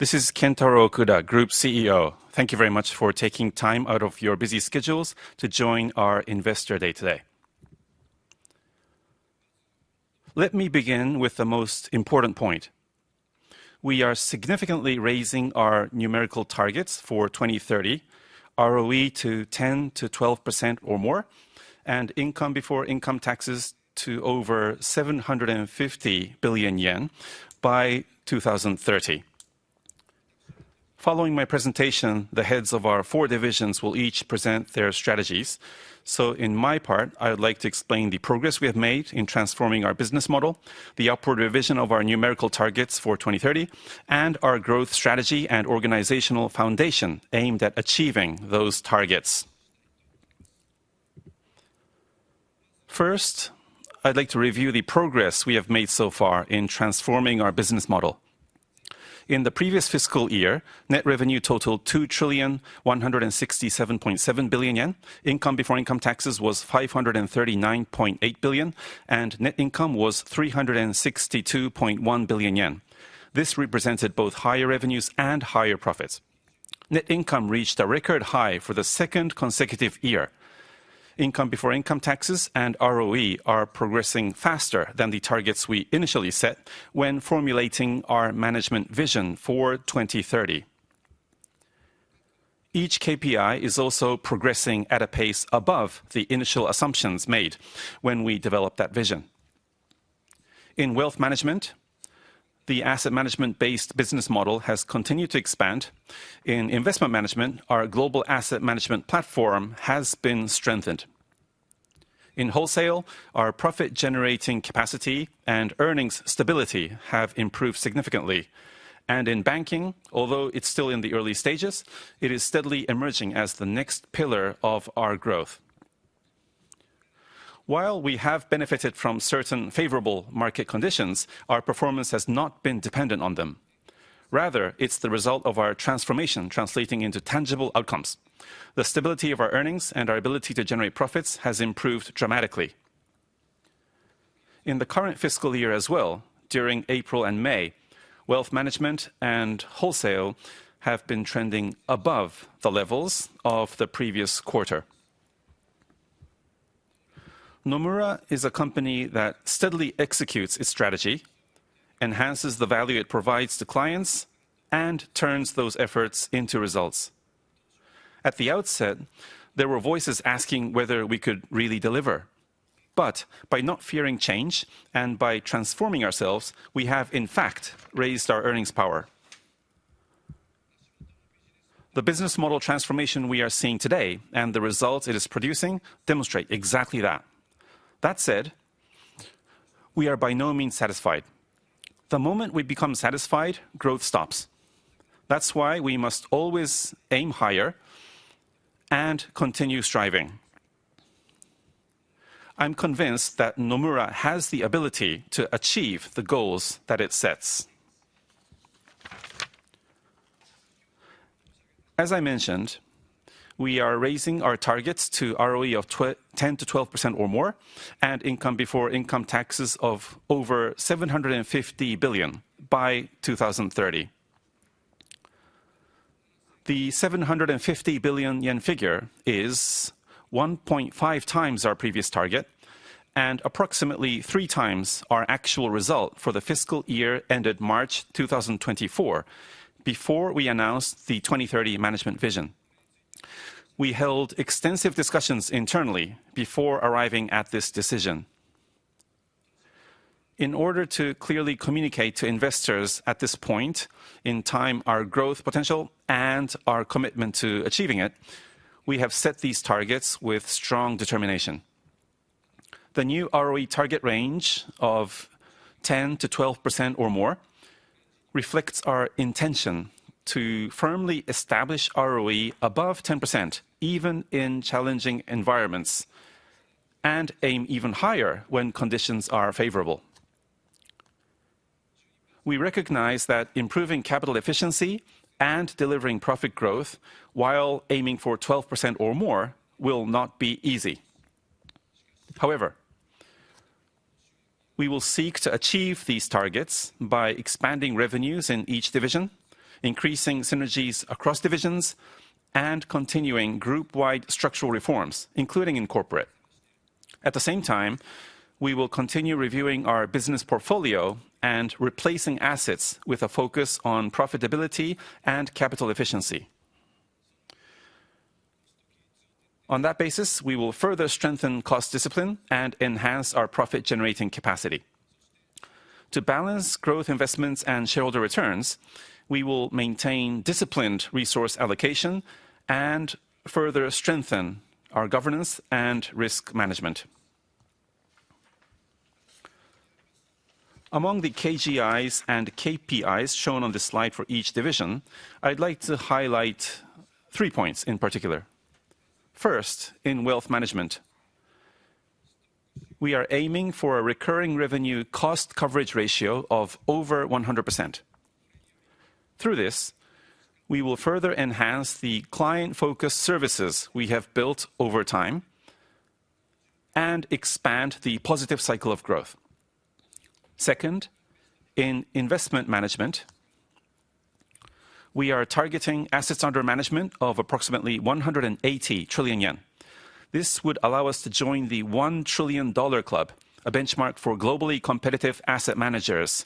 This is Kentaro Okuda, Group CEO. Thank you very much for taking time out of your busy schedules to join our Investor Day today. Let me begin with the most important point. We are significantly raising our numerical targets for 2030, ROE to 10%-12% or more, and income before income taxes to over 750 billion yen by 2030. Following my presentation, the heads of our four divisions will each present their strategies. In my part, I would like to explain the progress we have made in transforming our business model, the upward revision of our numerical targets for 2030, and our growth strategy and organizational foundation aimed at achieving those targets. First, I'd like to review the progress we have made so far in transforming our business model. In the previous fiscal year, net revenue totaled 2,167.7 billion yen. Income before income taxes was 539.8 billion, and net income was 362.1 billion yen. This represented both higher revenues and higher profits. Net income reached a record high for the second consecutive year. Income before income taxes and ROE are progressing faster than the targets we initially set when formulating our management vision for 2030. Each KPI is also progressing at a pace above the initial assumptions made when we developed that vision. In Wealth Management, the asset management-based business model has continued to expand. In Investment Management, our global asset management platform has been strengthened. In Wholesale, our profit-generating capacity and earnings stability have improved significantly. In Banking, although it's still in the early stages, it is steadily emerging as the next pillar of our growth. While we have benefited from certain favorable market conditions, our performance has not been dependent on them. Rather, it's the result of our transformation translating into tangible outcomes. The stability of our earnings and our ability to generate profits has improved dramatically. In the current fiscal year as well, during April and May, wealth management and wholesale have been trending above the levels of the previous quarter. Nomura is a company that steadily executes its strategy, enhances the value it provides to clients, and turns those efforts into results. At the outset, there were voices asking whether we could really deliver. By not fearing change and by transforming ourselves, we have in fact raised our earnings power. The business model transformation we are seeing today and the results it is producing demonstrate exactly that. That said, we are by no means satisfied. The moment we become satisfied, growth stops. That's why we must always aim higher and continue striving. I'm convinced that Nomura has the ability to achieve the goals that it sets. As I mentioned, we are raising our targets to ROE of 10%-12% or more, and income before income taxes of over 750 billion by 2030. The 750 billion yen figure is 1.5x our previous target and approximately 3x our actual result for the fiscal year ended March 2024, before we announced the 2030 management vision. We held extensive discussions internally before arriving at this decision. In order to clearly communicate to investors at this point in time our growth potential and our commitment to achieving it, we have set these targets with strong determination. The new ROE target range of 10%-12% or more reflects our intention to firmly establish ROE above 10%, even in challenging environments, and aim even higher when conditions are favorable. We recognize that improving capital efficiency and delivering profit growth while aiming for 12% or more will not be easy. However, we will seek to achieve these targets by expanding revenues in each division, increasing synergies across divisions, and continuing group-wide structural reforms, including in corporate. At the same time, we will continue reviewing our business portfolio and replacing assets with a focus on profitability and capital efficiency. On that basis, we will further strengthen cost discipline and enhance our profit-generating capacity. To balance growth investments and shareholder returns, we will maintain disciplined resource allocation and further strengthen our governance and risk management. Among the KGIs and KPIs shown on this slide for each division, I'd like to highlight three points in particular. First, in Wealth Management, we are aiming for a recurring revenue cost coverage ratio of over 100%. Through this, we will further enhance the client-focused services we have built over time. Expand the positive cycle of growth. Second, in Investment Management, we are targeting assets under management of approximately 180 trillion yen. This would allow us to join the $1 trillion club, a benchmark for globally competitive asset managers,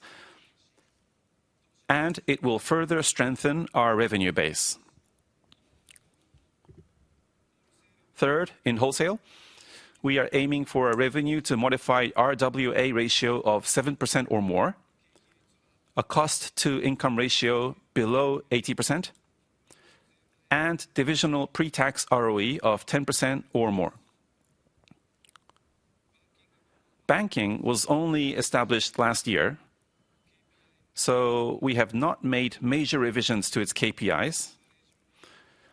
and it will further strengthen our revenue base. Third, in Wholesale, we are aiming for a revenue to modified RWA ratio of 7% or more, a cost-to-income ratio below 80%, and divisional pre-tax ROE of 10% or more. Banking was only established last year, so we have not made major revisions to its KPIs.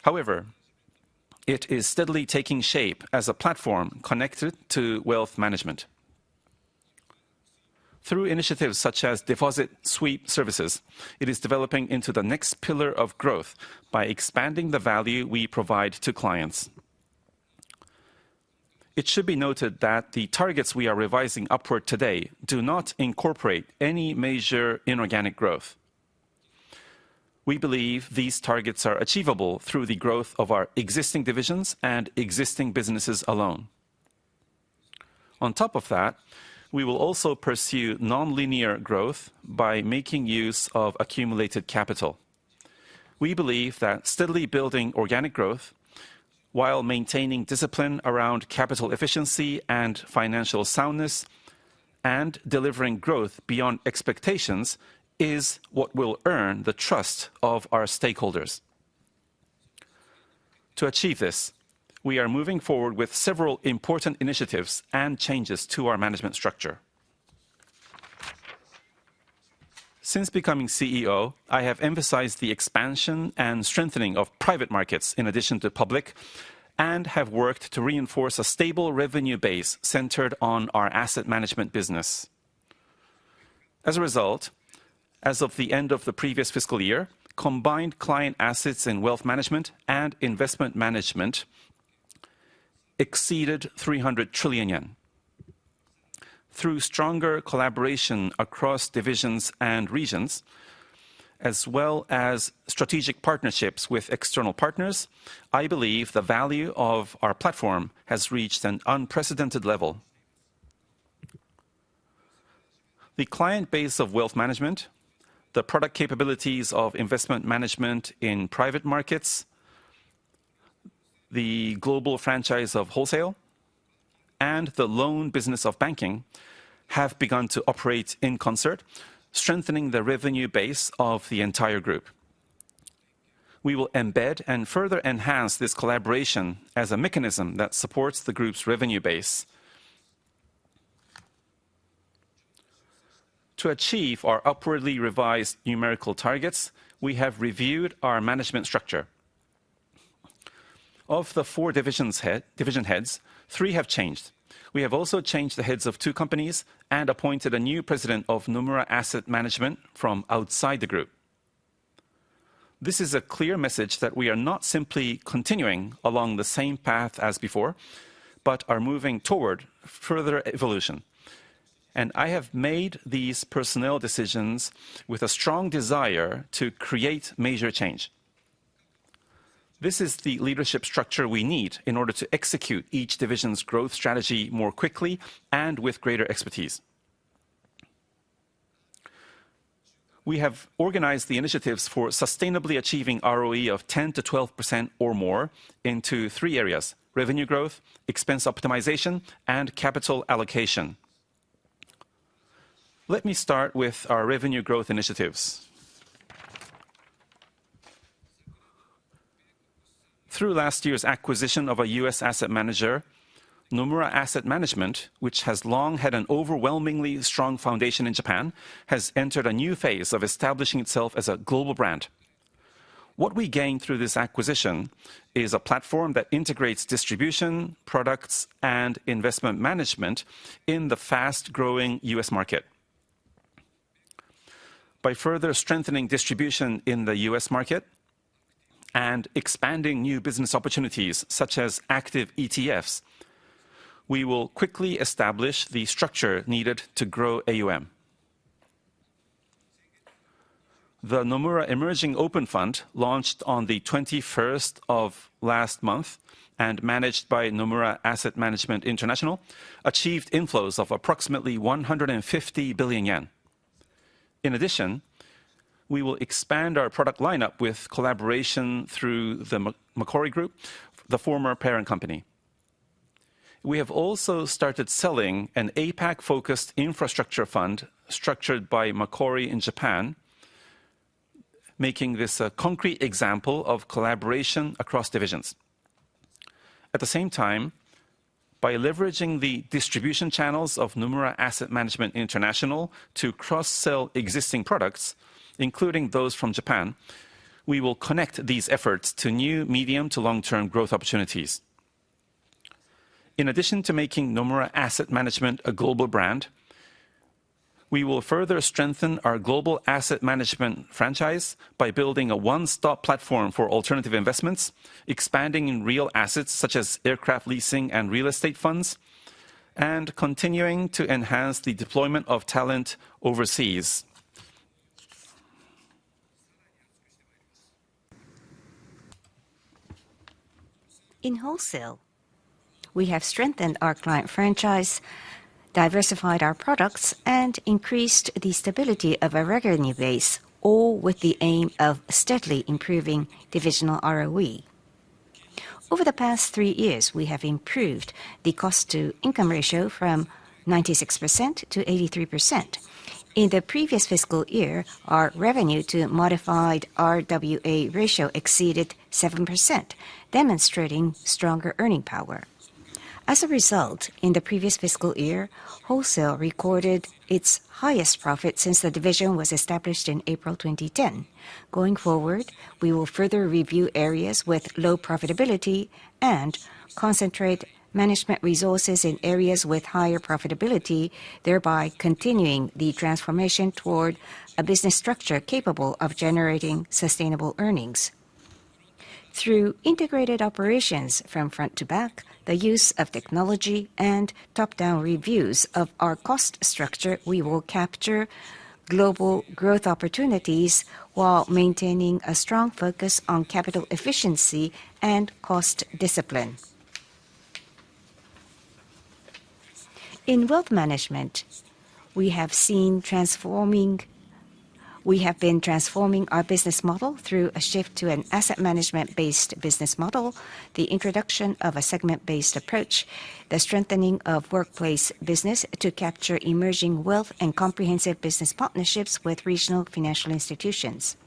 However, it is steadily taking shape as a platform connected to Wealth Management. Through initiatives such as Deposit Sweep services, it is developing into the next pillar of growth by expanding the value we provide to clients. It should be noted that the targets we are revising upward today do not incorporate any major inorganic growth. We believe these targets are achievable through the growth of our existing divisions and existing businesses alone. On top of that, we will also pursue nonlinear growth by making use of accumulated capital. We believe that steadily building organic growth while maintaining discipline around capital efficiency and financial soundness, and delivering growth beyond expectations, is what will earn the trust of our stakeholders. To achieve this, we are moving forward with several important initiatives and changes to our management structure. Since becoming CEO, I have emphasized the expansion and strengthening of private markets in addition to public, and have worked to reinforce a stable revenue base centered on our asset management business. As a result, as of the end of the previous fiscal year, combined client assets in Wealth Management and Investment Management exceeded 300 trillion yen. Through stronger collaboration across divisions and regions, as well as strategic partnerships with external partners, I believe the value of our platform has reached an unprecedented level. The client base of Wealth Management, the product capabilities of Investment Management in private markets, the global franchise of Wholesale, and the loan business of Banking, have begun to operate in concert, strengthening the revenue base of the entire group. We will embed and further enhance this collaboration as a mechanism that supports the group's revenue base. To achieve our upwardly revised numerical targets, we have reviewed our management structure. Of the four division heads, three have changed. We have also changed the heads of two companies and appointed a new president of Nomura Asset Management from outside the group. This is a clear message that we are not simply continuing along the same path as before, but are moving toward further evolution. I have made these personnel decisions with a strong desire to create major change. This is the leadership structure we need in order to execute each division's growth strategy more quickly and with greater expertise. We have organized the initiatives for sustainably achieving ROE of 10%-12% or more into three areas. Revenue growth, expense optimization, and capital allocation. Let me start with our revenue growth initiatives. Through last year's acquisition of a U.S. asset manager, Nomura Asset Management, which has long had an overwhelmingly strong foundation in Japan, has entered a new phase of establishing itself as a global brand. What we gained through this acquisition is a platform that integrates distribution, products, and investment management in the fast-growing U.S. market. By further strengthening distribution in the U.S. market and expanding new business opportunities such as active ETFs, we will quickly establish the structure needed to grow AUM. The Nomura Emerging Open fund, launched on the 21st of last month and managed by Nomura Asset Management International, achieved inflows of approximately 150 billion yen. We will expand our product lineup with collaboration through the Macquarie Group, the former parent company. We have also started selling an APAC-focused infrastructure fund structured by Macquarie in Japan, making this a concrete example of collaboration across divisions. By leveraging the distribution channels of Nomura Asset Management International to cross-sell existing products, including those from Japan, we will connect these efforts to new medium to long-term growth opportunities. In addition to making Nomura Asset Management a global brand, we will further strengthen our global asset management franchise by building a one-stop platform for alternative investments, expanding in real assets such as aircraft leasing and real estate funds, and continuing to enhance the deployment of talent overseas. In Wholesale, we have strengthened our client franchise, diversified our products, and increased the stability of our revenue base, all with the aim of steadily improving divisional ROE. Over the past three years, we have improved the cost-to-income ratio from 96% to 83%. In the previous fiscal year, our revenue-to-modified RWA ratio exceeded 7%, demonstrating stronger earning power. As a result, in the previous fiscal year, Wholesale recorded its highest profit since the division was established in April 2010. Going forward, we will further review areas with low profitability and concentrate management resources in areas with higher profitability, thereby continuing the transformation toward a business structure capable of generating sustainable earnings. Through integrated operations from front to back, the use of technology, and top-down reviews of our cost structure, we will capture global growth opportunities while maintaining a strong focus on capital efficiency and cost discipline. In wealth management, we have been transforming our business model through a shift to an asset management-based business model, the introduction of a segment-based approach, the strengthening of workplace business to capture emerging wealth, and comprehensive business partnerships with regional financial institutions.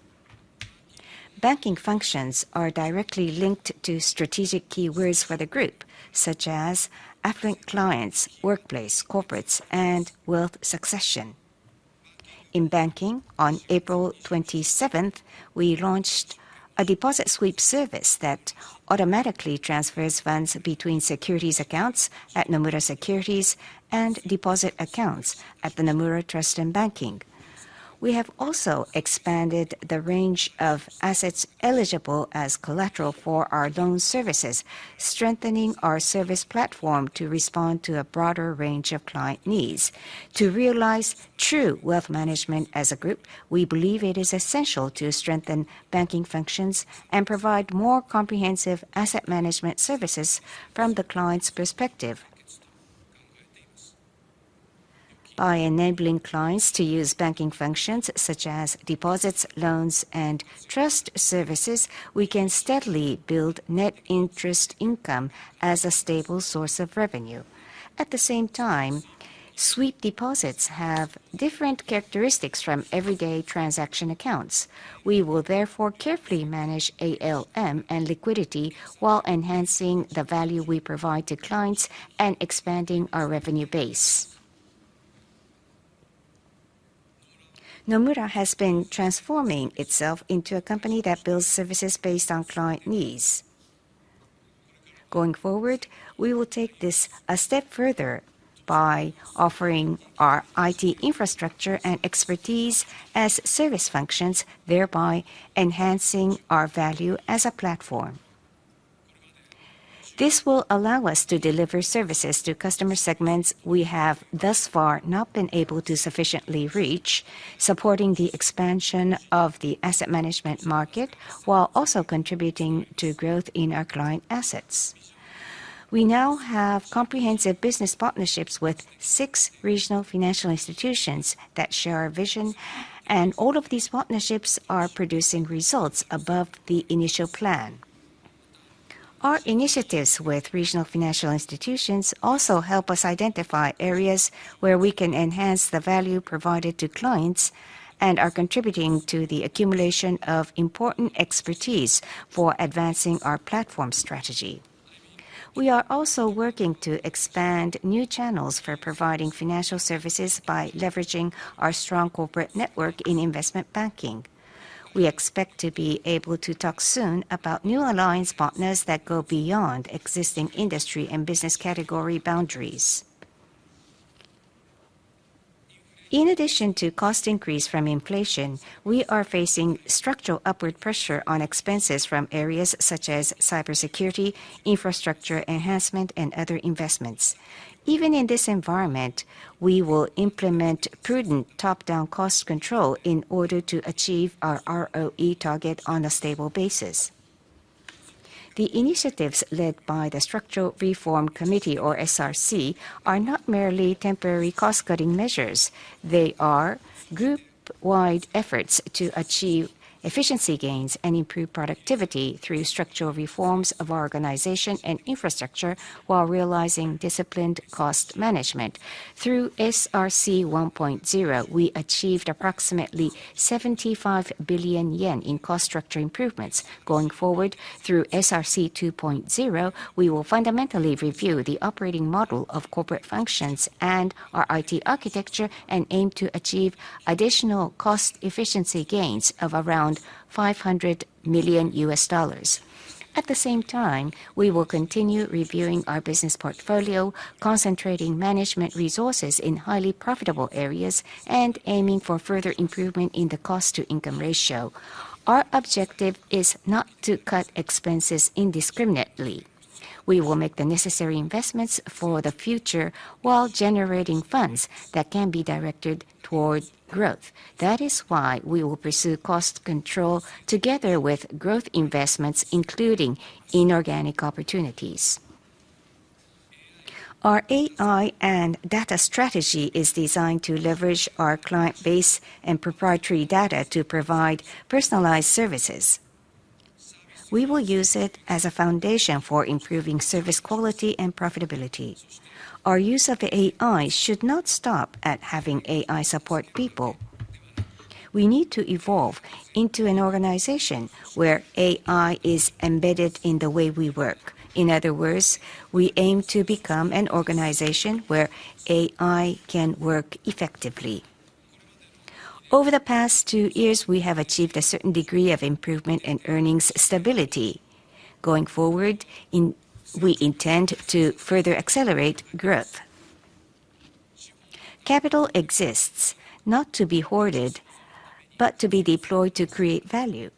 Banking functions are directly linked to strategic keywords for the group, such as affluent clients, workplace, corporates, and wealth succession. In banking, on April 27th, we launched a Deposit Sweep service that automatically transfers funds between securities accounts at Nomura Securities and deposit accounts at The Nomura Trust and Banking. We have also expanded the range of assets eligible as collateral for our loan services, strengthening our service platform to respond to a broader range of client needs. To realize true wealth management as a group, we believe it is essential to strengthen banking functions and provide more comprehensive asset management services from the client's perspective. By enabling clients to use banking functions such as deposits, loans, and trust services, we can steadily build net interest income as a stable source of revenue. At the same time, sweep deposits have different characteristics from everyday transaction accounts. We will therefore carefully manage ALM and liquidity while enhancing the value we provide to clients and expanding our revenue base. Nomura has been transforming itself into a company that builds services based on client needs. Going forward, we will take this a step further by offering our IT infrastructure and expertise as service functions, thereby enhancing our value as a platform. This will allow us to deliver services to customer segments we have thus far not been able to sufficiently reach, supporting the expansion of the asset management market while also contributing to growth in our client assets. We now have comprehensive business partnerships with six regional financial institutions that share our vision. All of these partnerships are producing results above the initial plan. Our initiatives with regional financial institutions also help us identify areas where we can enhance the value provided to clients and are contributing to the accumulation of important expertise for advancing our platform strategy. We are also working to expand new channels for providing financial services by leveraging our strong corporate network in investment banking. We expect to be able to talk soon about new alliance partners that go beyond existing industry and business category boundaries. In addition to cost increase from inflation, we are facing structural upward pressure on expenses from areas such as cybersecurity, infrastructure enhancement, and other investments. Even in this environment, we will implement prudent top-down cost control in order to achieve our ROE target on a stable basis. The initiatives led by the Structural Reform Committee, or SRC, are not merely temporary cost-cutting measures. They are group-wide efforts to achieve efficiency gains and improve productivity through structural reforms of our organization and infrastructure while realizing disciplined cost management. Through SRC 1.0, we achieved approximately 75 billion yen in cost structure improvements. Going forward, through SRC 2.0, we will fundamentally review the operating model of corporate functions and our IT architecture, and aim to achieve additional cost efficiency gains of around $500 million. At the same time, we will continue reviewing our business portfolio, concentrating management resources in highly profitable areas, and aiming for further improvement in the cost-to-income ratio. Our objective is not to cut expenses indiscriminately. We will make the necessary investments for the future while generating funds that can be directed toward growth. That is why we will pursue cost control together with growth investments, including inorganic opportunities. Our AI and data strategy is designed to leverage our client base and proprietary data to provide personalized services. We will use it as a foundation for improving service quality and profitability. Our use of AI should not stop at having AI support people. We need to evolve into an organization where AI is embedded in the way we work. In other words, we aim to become an organization where AI can work effectively. Over the past two years, we have achieved a certain degree of improvement in earnings stability. Going forward, we intend to further accelerate growth. Capital exists not to be hoarded, but to be deployed to create value.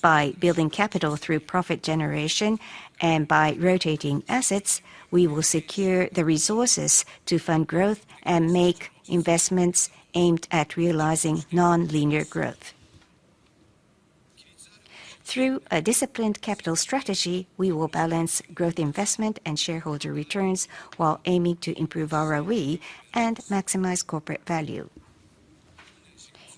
By building capital through profit generation and by rotating assets, we will secure the resources to fund growth and make investments aimed at realizing non-linear growth. Through a disciplined capital strategy, we will balance growth investment and shareholder returns while aiming to improve our ROE and maximize corporate value.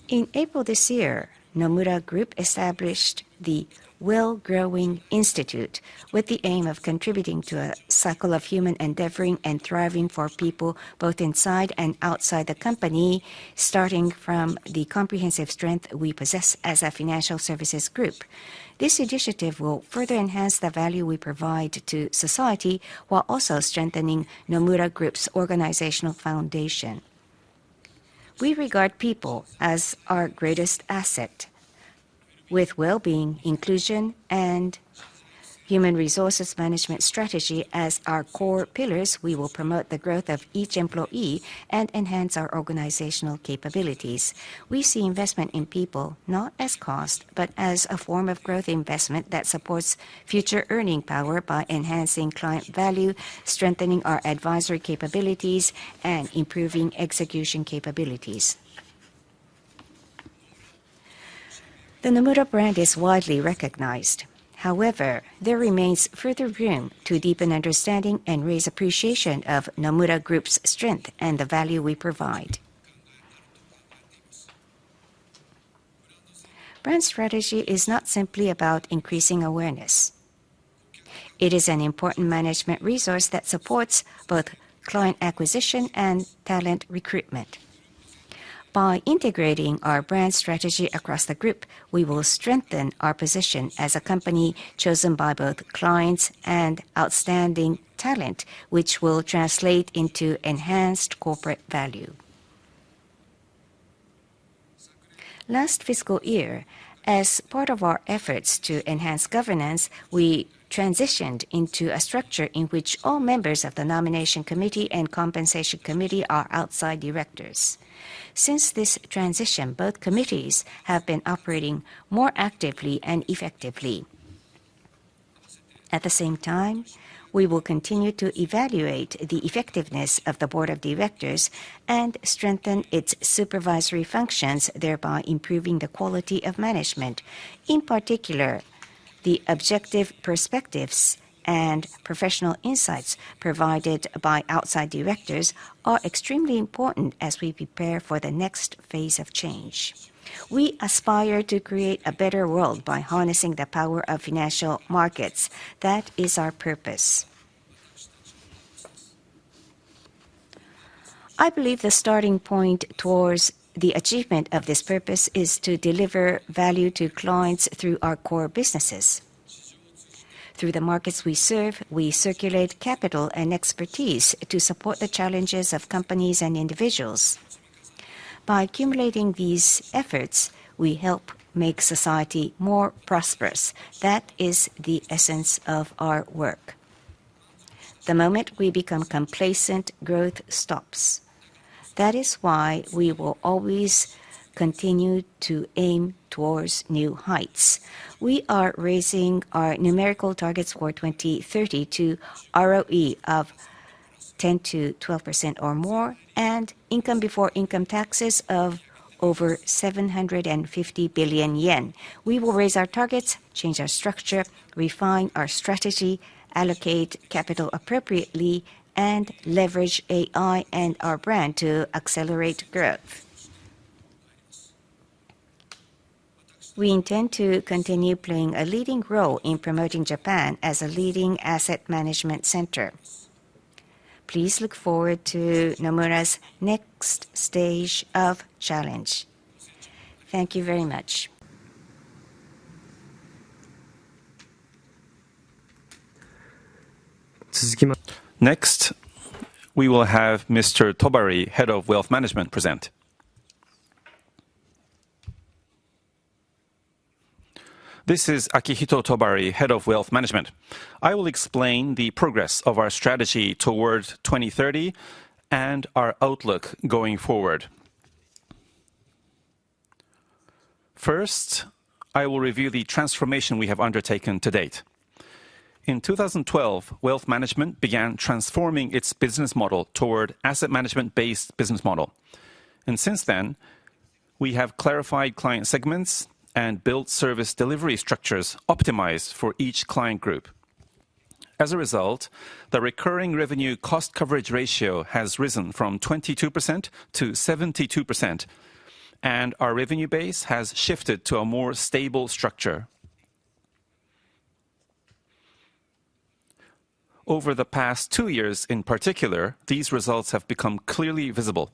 In April this year, Nomura Group established the Nomura Well-Growing Institute with the aim of contributing to a cycle of human endeavoring and thriving for people both inside and outside the company, starting from the comprehensive strength we possess as a financial services group. This initiative will further enhance the value we provide to society while also strengthening Nomura Group's organizational foundation. We regard people as our greatest asset. With well-being, inclusion, and human resources management strategy as our core pillars, we will promote the growth of each employee and enhance our organizational capabilities. We see investment in people not as cost, but as a form of growth investment that supports future earning power by enhancing client value, strengthening our advisory capabilities, and improving execution capabilities. The Nomura brand is widely recognized. However, there remains further room to deepen understanding and raise appreciation of Nomura Group's strength and the value we provide. Brand strategy is not simply about increasing awareness. It is an important management resource that supports both client acquisition and talent recruitment. By integrating our brand strategy across the group, we will strengthen our position as a company chosen by both clients and outstanding talent, which will translate into enhanced corporate value. Last fiscal year, as part of our efforts to enhance governance, we transitioned into a structure in which all members of the nomination committee and compensation committee are outside directors. Since this transition, both committees have been operating more actively and effectively. At the same time, we will continue to evaluate the effectiveness of the board of directors and strengthen its supervisory functions, thereby improving the quality of management. In particular, the objective perspectives and professional insights provided by outside directors are extremely important as we prepare for the next phase of change. We aspire to create a better world by harnessing the power of financial markets. That is our purpose. I believe the starting point towards the achievement of this purpose is to deliver value to clients through our core businesses. Through the markets we serve, we circulate capital and expertise to support the challenges of companies and individuals. By accumulating these efforts, we help make society more prosperous. That is the essence of our work. The moment we become complacent, growth stops. That is why we will always continue to aim towards new heights. We are raising our numerical targets for 2030 to ROE of 10%-12% or more, and income before income taxes of over 750 billion yen. We will raise our targets, change our structure, refine our strategy, allocate capital appropriately, and leverage AI and our brand to accelerate growth. We intend to continue playing a leading role in promoting Japan as a leading asset management center. Please look forward to Nomura's next stage of challenge. Thank you very much. Next, we will have Mr. Tobari, Head of Wealth Management, present. This is Akihito Tobari, Head of Wealth Management. I will explain the progress of our strategy towards 2030 and our outlook going forward. First, I will review the transformation we have undertaken to date. In 2012, Wealth Management began transforming its business model toward asset management-based business model. Since then, we have clarified client segments and built service delivery structures optimized for each client group. As a result, the recurring revenue cost coverage ratio has risen from 22% to 72%, and our revenue base has shifted to a more stable structure. Over the past two years in particular, these results have become clearly visible.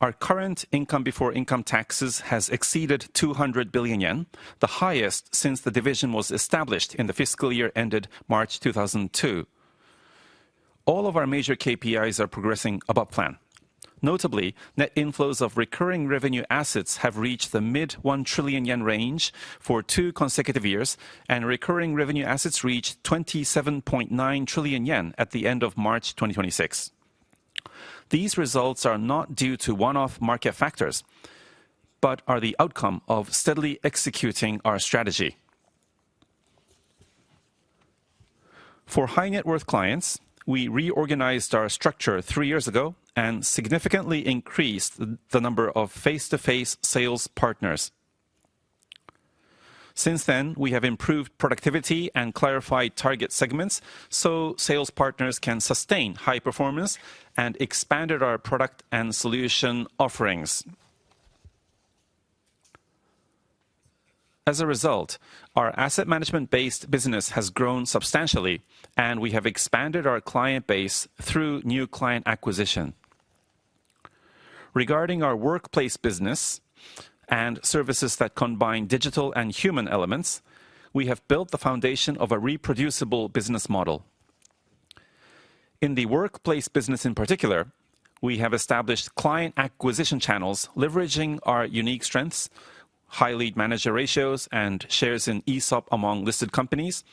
Our current income before income taxes has exceeded 200 billion yen, the highest since the division was established in the fiscal year ended March 2002. All of our major KPIs are progressing above plan. Notably, net inflows of recurring revenue assets have reached the mid 1 trillion yen range for two consecutive years, and recurring revenue assets reached 27.9 trillion yen at the end of March 2026. These results are not due to one-off market factors, but are the outcome of steadily executing our strategy. For high-net-worth clients, we reorganized our structure three years ago and significantly increased the number of face-to-face sales partners. Since then, we have improved productivity and clarified target segments so sales partners can sustain high performance and expanded our product and solution offerings. As a result, our asset management-based business has grown substantially, and we have expanded our client base through new client acquisition. Regarding our workplace business and services that combine digital and human elements, we have built the foundation of a reproducible business model. In the workplace business in particular, we have established client acquisition channels leveraging our unique strengths, high lead manager ratios, and shares in ESOP among listed companies,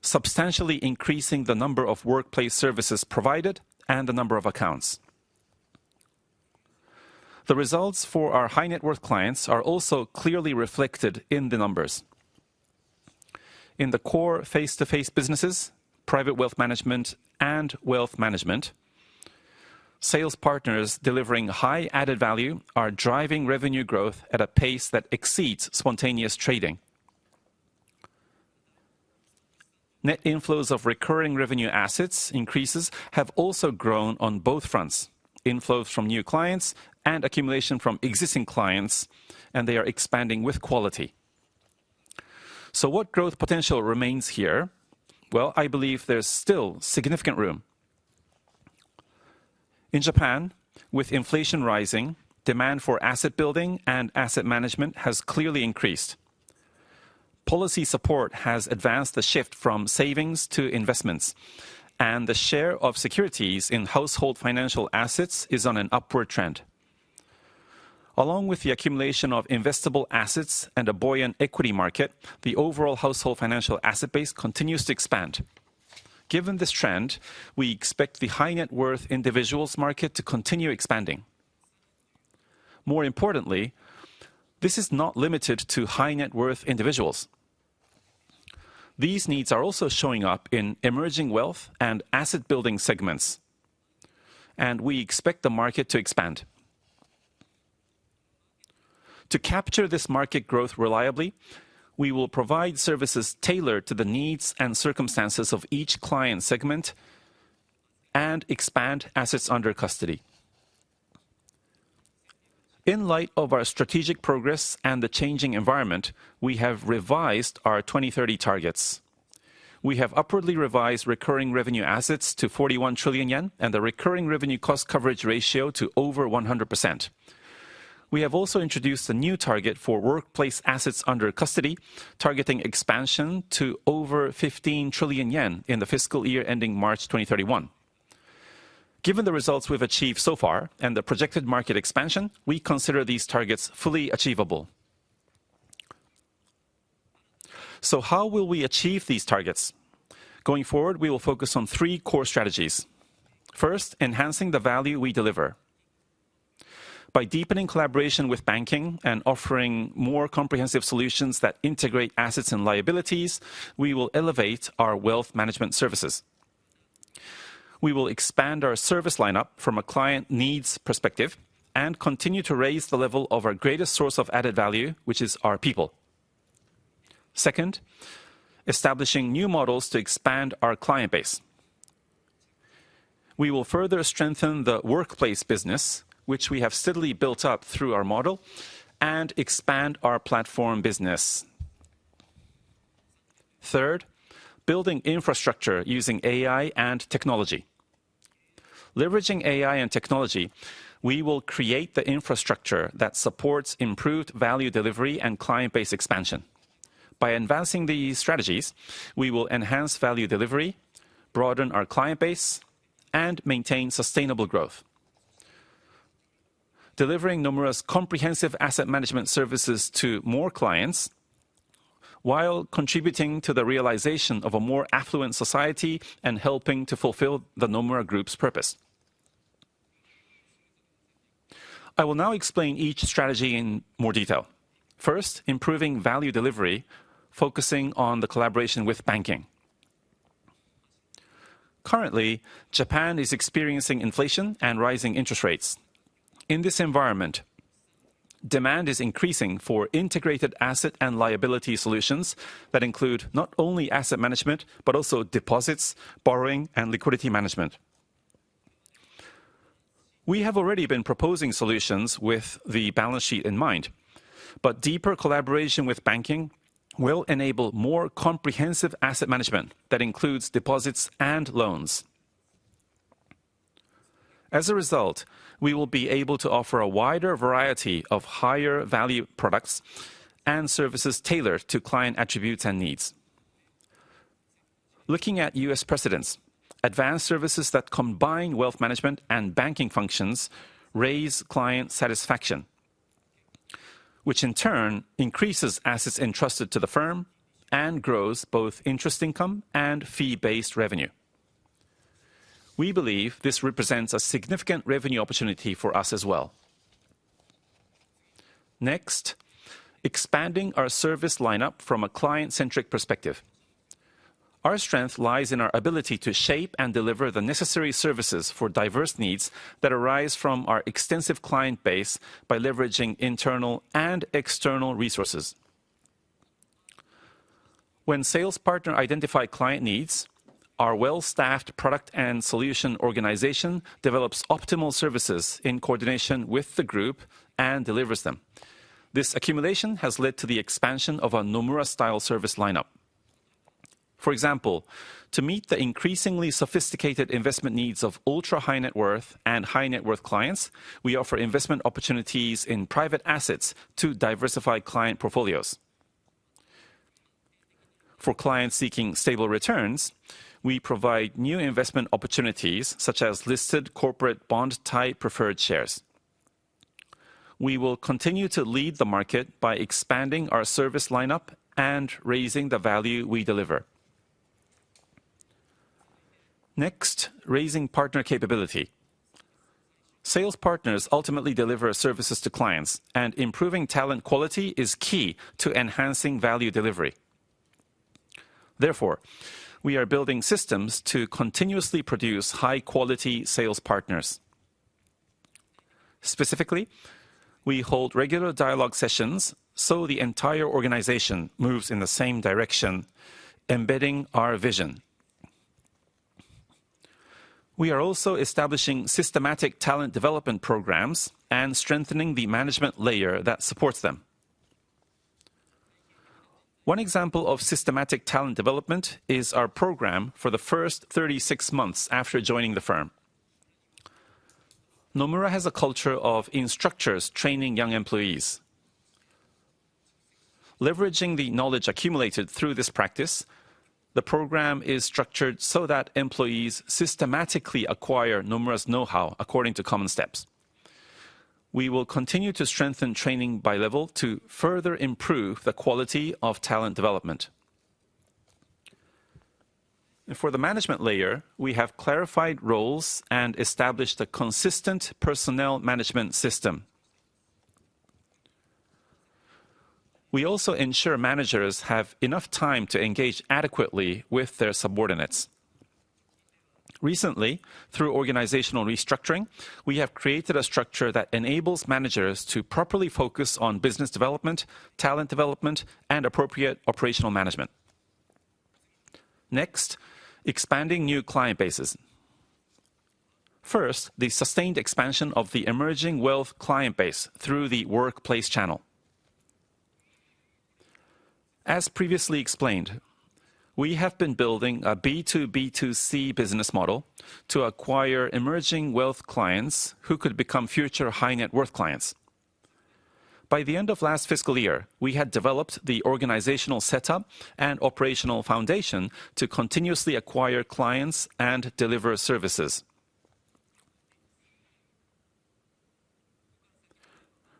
substantially increasing the number of workplace services provided and the number of accounts. The results for our high-net-worth clients are also clearly reflected in the numbers. In the core face-to-face businesses, private wealth management and wealth management, sales partners delivering high added value are driving revenue growth at a pace that exceeds spontaneous trading. Net inflows of recurring revenue assets increases have also grown on both fronts, inflows from new clients and accumulation from existing clients, and they are expanding with quality. What growth potential remains here? Well, I believe there's still significant room. In Japan, with inflation rising, demand for asset building and asset management has clearly increased. Policy support has advanced the shift from savings to investments, and the share of securities in household financial assets is on an upward trend. Along with the accumulation of investable assets and a buoyant equity market, the overall household financial asset base continues to expand. Given this trend, we expect the high-net-worth individuals market to continue expanding. More importantly, this is not limited to high-net-worth individuals. These needs are also showing up in emerging wealth and asset building segments, and we expect the market to expand. To capture this market growth reliably, we will provide services tailored to the needs and circumstances of each client segment and expand assets under custody. In light of our strategic progress and the changing environment, we have revised our 2030 targets. We have upwardly revised recurring revenue assets to 41 trillion yen and the recurring revenue cost coverage ratio to over 100%. We have also introduced a new target for workplace assets under custody, targeting expansion to over 15 trillion yen in the fiscal year ending March 2031. Given the results we've achieved so far and the projected market expansion, we consider these targets fully achievable. How will we achieve these targets? Going forward, we will focus on three core strategies. First, enhancing the value we deliver. By deepening collaboration with banking and offering more comprehensive solutions that integrate assets and liabilities, we will elevate our wealth management services. We will expand our service lineup from a client needs perspective and continue to raise the level of our greatest source of added value, which is our people. Second, establishing new models to expand our client base. We will further strengthen the workplace business, which we have steadily built up through our model and expand our platform business. Third, building infrastructure using AI and technology. Leveraging AI and technology, we will create the infrastructure that supports improved value delivery and client base expansion. By advancing these strategies, we will enhance value delivery, broaden our client base, and maintain sustainable growth. Delivering numerous comprehensive asset management services to more clients, while contributing to the realization of a more affluent society and helping to fulfill the Nomura Group's purpose. I will now explain each strategy in more detail. First, improving value delivery, focusing on the collaboration with banking. Currently, Japan is experiencing inflation and rising interest rates. In this environment, demand is increasing for integrated asset and liability solutions that include not only asset management, but also deposits, borrowing, and liquidity management. We have already been proposing solutions with the balance sheet in mind, but deeper collaboration with banking will enable more comprehensive asset management that includes deposits and loans. As a result, we will be able to offer a wider variety of higher-value products and services tailored to client attributes and needs. Looking at U.S. precedents, advanced services that combine wealth management and banking functions raise client satisfaction, which in turn increases assets entrusted to the firm and grows both interest income and fee-based revenue. We believe this represents a significant revenue opportunity for us as well. Next, expanding our service lineup from a client-centric perspective. Our strength lies in our ability to shape and deliver the necessary services for diverse needs that arise from our extensive client base by leveraging internal and external resources. When sales partner identify client needs, our well-staffed product and solution organization develops optimal services in coordination with the group and delivers them. This accumulation has led to the expansion of our Nomura-style service lineup. For example, to meet the increasingly sophisticated investment needs of ultra-high-net-worth and high-net-worth clients, we offer investment opportunities in private assets to diversify client portfolios. For clients seeking stable returns, we provide new investment opportunities such as listed corporate bond-type preferred shares. We will continue to lead the market by expanding our service lineup and raising the value we deliver. Next, raising partner capability. Sales partners ultimately deliver services to clients, and improving talent quality is key to enhancing value delivery. Therefore, we are building systems to continuously produce high-quality sales partners. Specifically, we hold regular dialogue sessions, so the entire organization moves in the same direction, embedding our vision. We are also establishing systematic talent development programs and strengthening the management layer that supports them. One example of systematic talent development is our program for the first 36 months after joining the firm. Nomura has a culture of instructors training young employees. Leveraging the knowledge accumulated through this practice, the program is structured so that employees systematically acquire Nomura's know-how according to common steps. We will continue to strengthen training by level to further improve the quality of talent development. For the management layer, we have clarified roles and established a consistent personnel management system. We also ensure managers have enough time to engage adequately with their subordinates. Recently, through organizational restructuring, we have created a structure that enables managers to properly focus on business development, talent development, and appropriate operational management. Expanding new client bases. The sustained expansion of the emerging wealth client base through the workplace channel. Previously explained, we have been building a B2B2C business model to acquire emerging wealth clients who could become future high-net-worth clients. By the end of last fiscal year, we had developed the organizational setup and operational foundation to continuously acquire clients and deliver services.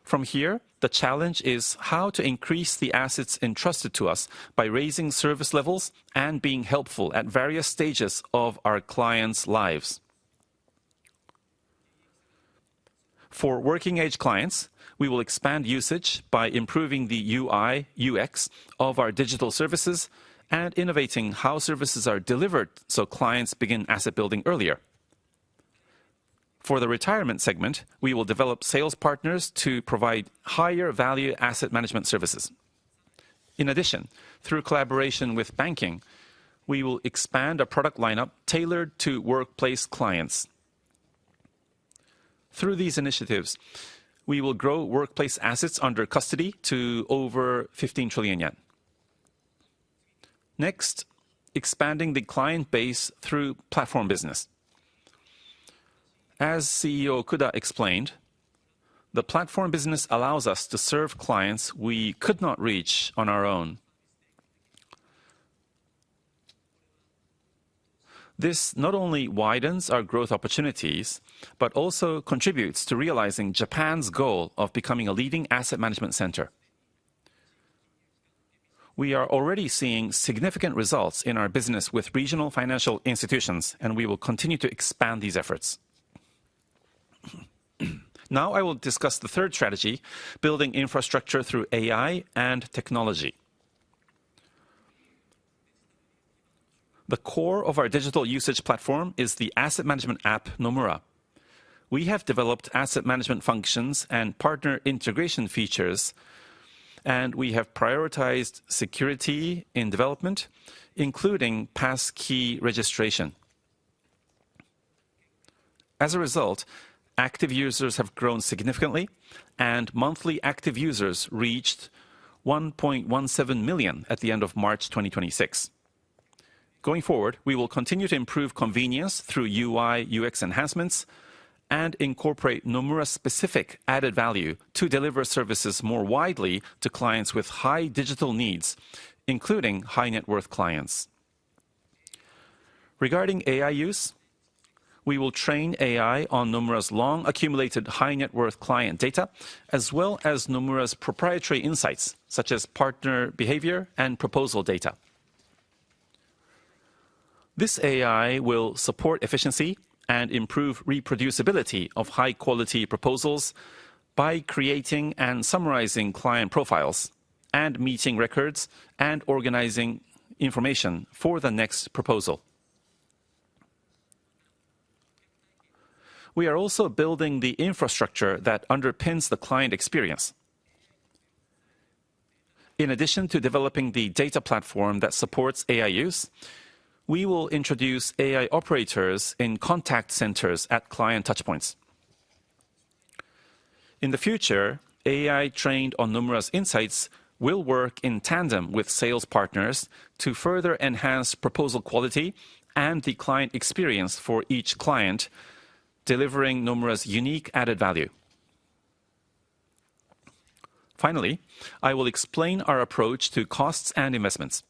From here, the challenge is how to increase the assets entrusted to us by raising service levels and being helpful at various stages of our clients' lives. For working-age clients, we will expand usage by improving the UI/UX of our digital services and innovating how services are delivered so clients begin asset building earlier. For the retirement segment, we will develop sales partners to provide higher-value asset management services. In addition, through collaboration with banking, we will expand our product lineup tailored to workplace clients. Through these initiatives, we will grow workplace assets under custody to over 15 trillion yen. Next, expanding the client base through platform business. As CEO Okuda explained, the platform business allows us to serve clients we could not reach on our own. This not only widens our growth opportunities, but also contributes to realizing Japan's goal of becoming a leading asset management center. We are already seeing significant results in our business with regional financial institutions, and we will continue to expand these efforts. I will discuss the third strategy, building infrastructure through AI and technology. The core of our digital usage platform is the asset management app, Nomura. We have developed asset management functions and partner integration features, and we have prioritized security in development, including pass key registration. As a result, active users have grown significantly, and monthly active users reached 1.17 million at the end of March 2026. Going forward, we will continue to improve convenience through UI/UX enhancements and incorporate Nomura-specific added value to deliver services more widely to clients with high-net-worth clients. Regarding AI use, we will train AI on Nomura's long-accumulated high-net-worth client data, as well as Nomura's proprietary insights, such as partner behavior and proposal data. This AI will support efficiency and improve reproducibility of high-quality proposals by creating and summarizing client profiles and meeting records, and organizing information for the next proposal. We are also building the infrastructure that underpins the client experience. In addition to developing the data platform that supports AI use, we will introduce AI operators in contact centers at client touchpoints. In the future, AI trained on Nomura's insights will work in tandem with sales partners to further enhance proposal quality and the client experience for each client, delivering Nomura's unique added value. Finally, I will explain our approach to costs and investments.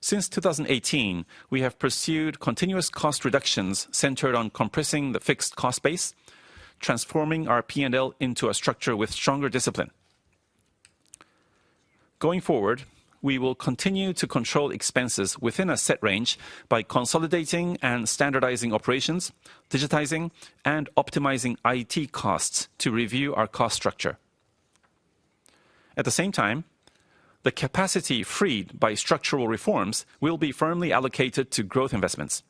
Since 2018, we have pursued continuous cost reductions centered on compressing the fixed cost base, transforming our P&L into a structure with stronger discipline. Going forward, we will continue to control expenses within a set range by consolidating and standardizing operations, digitizing, and optimizing IT costs to review our cost structure. At the same time, the capacity freed by structural reforms will be firmly allocated to growth investments.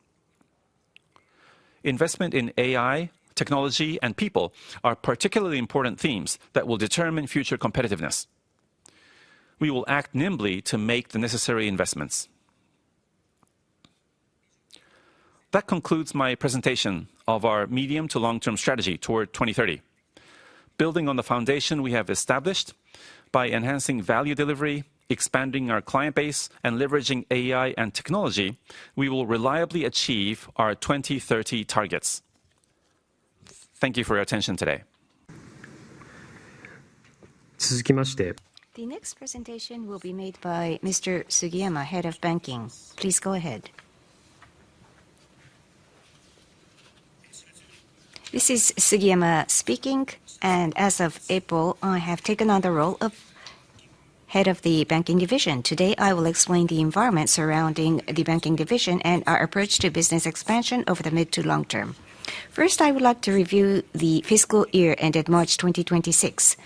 Investment in AI, technology, and people are particularly important themes that will determine future competitiveness. We will act nimbly to make the necessary investments. That concludes my presentation of our medium to long-term strategy toward 2030. Building on the foundation we have established by enhancing value delivery, expanding our client base, and leveraging AI and technology, we will reliably achieve our 2030 targets. Thank you for your attention today. The next presentation will be made by Mr. Sugiyama, Head of Banking. Please go ahead. This is Sugiyama speaking. As of April, I have taken on the role of Head of the Banking Division. Today, I will explain the environment surrounding the Banking Division and our approach to business expansion over the mid to long term. First, I would like to review the fiscal year ended March 2026.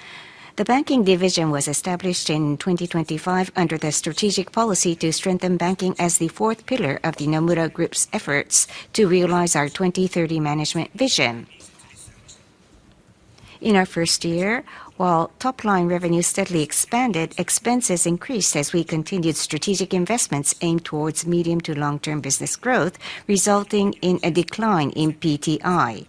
The Banking Division was established in 2025 under the strategic policy to strengthen banking as the fourth pillar of the Nomura Group's efforts to realize our 2030 management vision. In our first year, while top-line revenue steadily expanded, expenses increased as we continued strategic investments aimed towards medium to long-term business growth, resulting in a decline in PTI.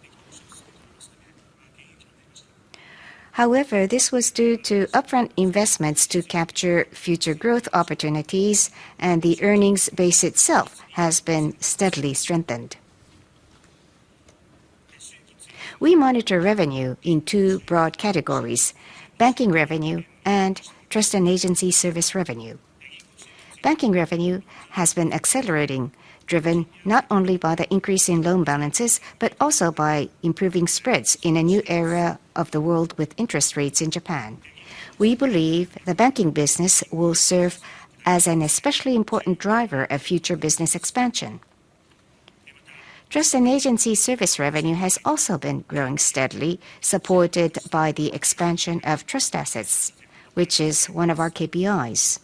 This was due to upfront investments to capture future growth opportunities, and the earnings base itself has been steadily strengthened. We monitor revenue in two broad categories, banking revenue and trust and agency service revenue. Banking revenue has been accelerating, driven not only by the increase in loan balances, but also by improving spreads in a new era of the world with interest rates in Japan. We believe the banking business will serve as an especially important driver of future business expansion. Trust and agency service revenue has also been growing steadily, supported by the expansion of trust assets, which is one of our KPIs.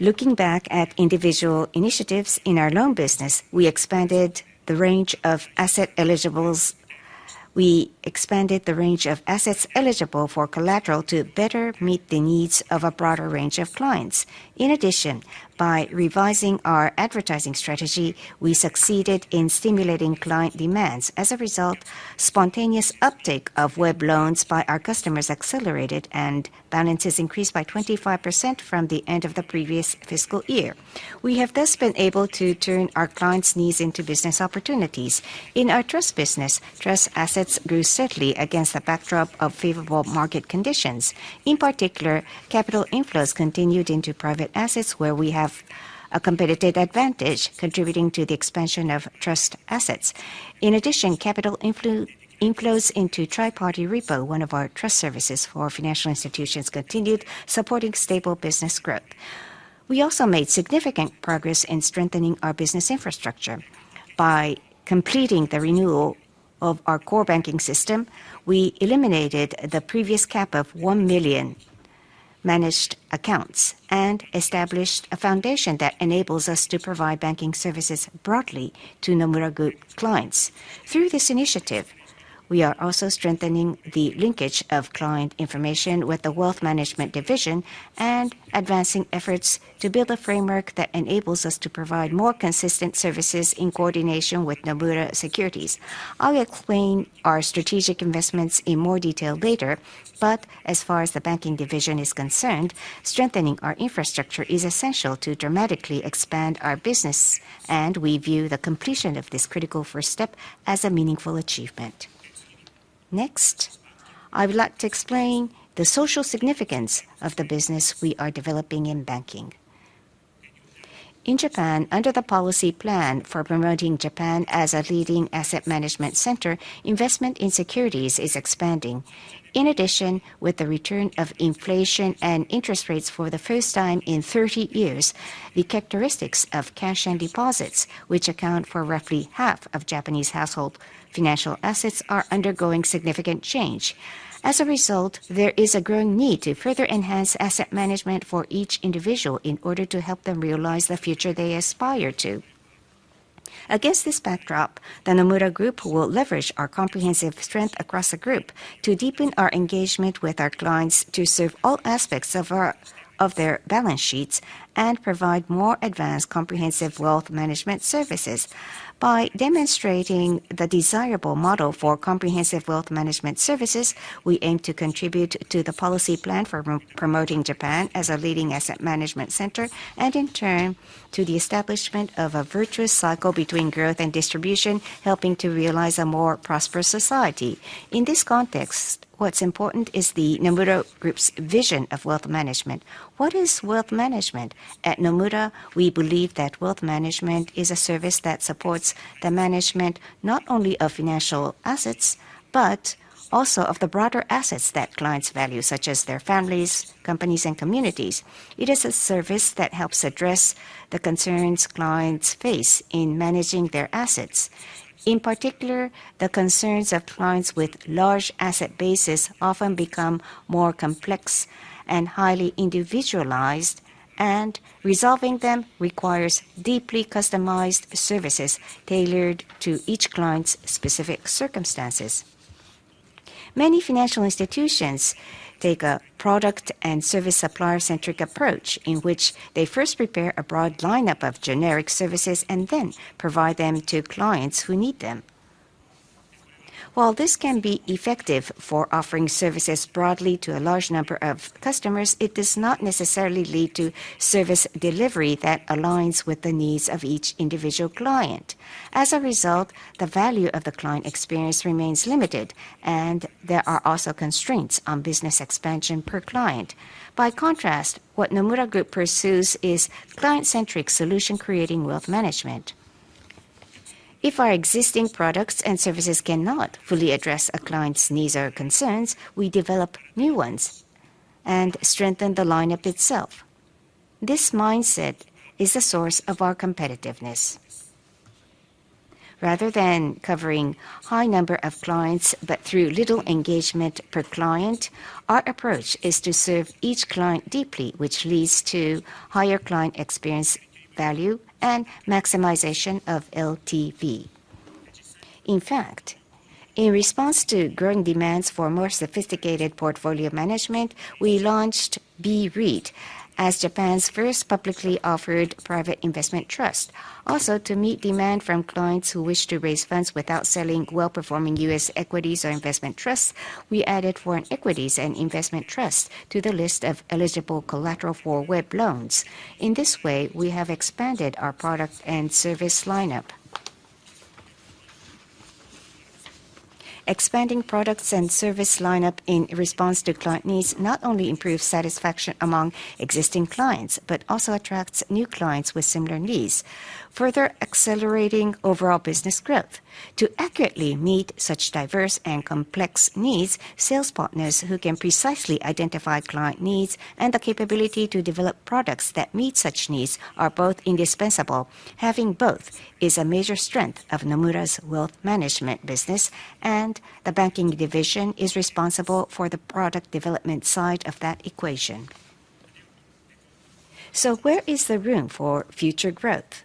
Looking back at individual initiatives in our loan business, we expanded the range of asset eligibles. We expanded the range of assets eligible for collateral to better meet the needs of a broader range of clients. In addition, by revising our advertising strategy, we succeeded in stimulating client demands. As a result, spontaneous uptake of Web loans by our customers accelerated, and balances increased by 25% from the end of the previous fiscal year. We have thus been able to turn our clients' needs into business opportunities. In our trust business, trust assets grew steadily against the backdrop of favorable market conditions. In particular, capital inflows continued into private assets, where we have a competitive advantage, contributing to the expansion of trust assets. In addition, capital inflows into tri-party repo, one of our trust services for financial institutions, continued, supporting stable business growth. We also made significant progress in strengthening our business infrastructure. By completing the renewal of our core banking system, we eliminated the previous cap of 1 million managed accounts and established a foundation that enables us to provide banking services broadly to Nomura Group clients. Through this initiative, we are also strengthening the linkage of client information with the Wealth Management division and advancing efforts to build a framework that enables us to provide more consistent services in coordination with Nomura Securities. I'll explain our strategic investments in more detail later, but as far as the Banking division is concerned, strengthening our infrastructure is essential to dramatically expand our business, and we view the completion of this critical first step as a meaningful achievement. Next, I would like to explain the social significance of the business we are developing in banking. In Japan, under the Policy Plan for Promoting Japan as a Leading Asset Management Center, investment in securities is expanding. With the return of inflation and interest rates for the first time in 30 years, the characteristics of cash and deposits, which account for roughly half of Japanese household financial assets, are undergoing significant change. There is a growing need to further enhance asset management for each individual in order to help them realize the future they aspire to. Against this backdrop, the Nomura Group will leverage our comprehensive strength across the group to deepen our engagement with our clients to serve all aspects of their balance sheets and provide more advanced comprehensive wealth management services. By demonstrating the desirable model for comprehensive wealth management services, we aim to contribute to the Policy Plan for Promoting Japan as a Leading Asset Management Center, and in turn, to the establishment of a virtuous cycle between growth and distribution, helping to realize a more prosperous society. In this context, what's important is the Nomura Group's vision of wealth management. What is wealth management? At Nomura, we believe that wealth management is a service that supports the management not only of financial assets, but also of the broader assets that clients value, such as their families, companies, and communities. It is a service that helps address the concerns clients face in managing their assets. In particular, the concerns of clients with large asset bases often become more complex and highly individualized, and resolving them requires deeply customized services tailored to each client's specific circumstances. Many financial institutions take a product and service supplier-centric approach, in which they first prepare a broad lineup of generic services and then provide them to clients who need them. While this can be effective for offering services broadly to a large number of customers, it does not necessarily lead to service delivery that aligns with the needs of each individual client. As a result, the value of the client experience remains limited, and there are also constraints on business expansion per client. By contrast, what Nomura Group pursues is client-centric solution creating wealth management. If our existing products and services cannot fully address a client's needs or concerns, we develop new ones and strengthen the lineup itself. This mindset is a source of our competitiveness. Rather than covering high number of clients, but through little engagement per client, our approach is to serve each client deeply, which leads to higher client experience value and maximization of LTV. In fact, in response to growing demands for more sophisticated portfolio management, we launched BREIT as Japan's first publicly offered private investment trust. Also, to meet demand from clients who wish to raise funds without selling well-performing U.S. equities or investment trusts, we added foreign equities and investment trusts to the list of eligible collateral for Web Loans. In this way, we have expanded our product and service lineup. Expanding products and service lineup in response to client needs not only improves satisfaction among existing clients, but also attracts new clients with similar needs, further accelerating overall business growth. To accurately meet such diverse and complex needs, sales partners who can precisely identify client needs and the capability to develop products that meet such needs are both indispensable. Having both is a major strength of Nomura's Wealth Management business, and the banking division is responsible for the product development side of that equation. Where is there room for future growth?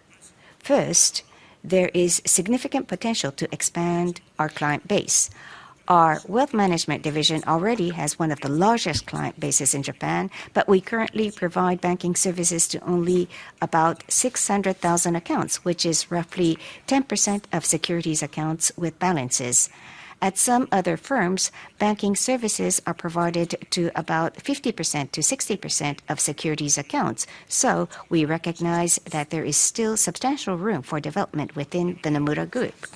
First, there is significant potential to expand our client base. Our Wealth Management division already has one of the largest client bases in Japan, but we currently provide banking services to only about 600,000 accounts, which is roughly 10% of securities accounts with balances. At some other firms, banking services are provided to about 50%-60% of securities accounts. We recognize that there is still substantial room for development within the Nomura Group.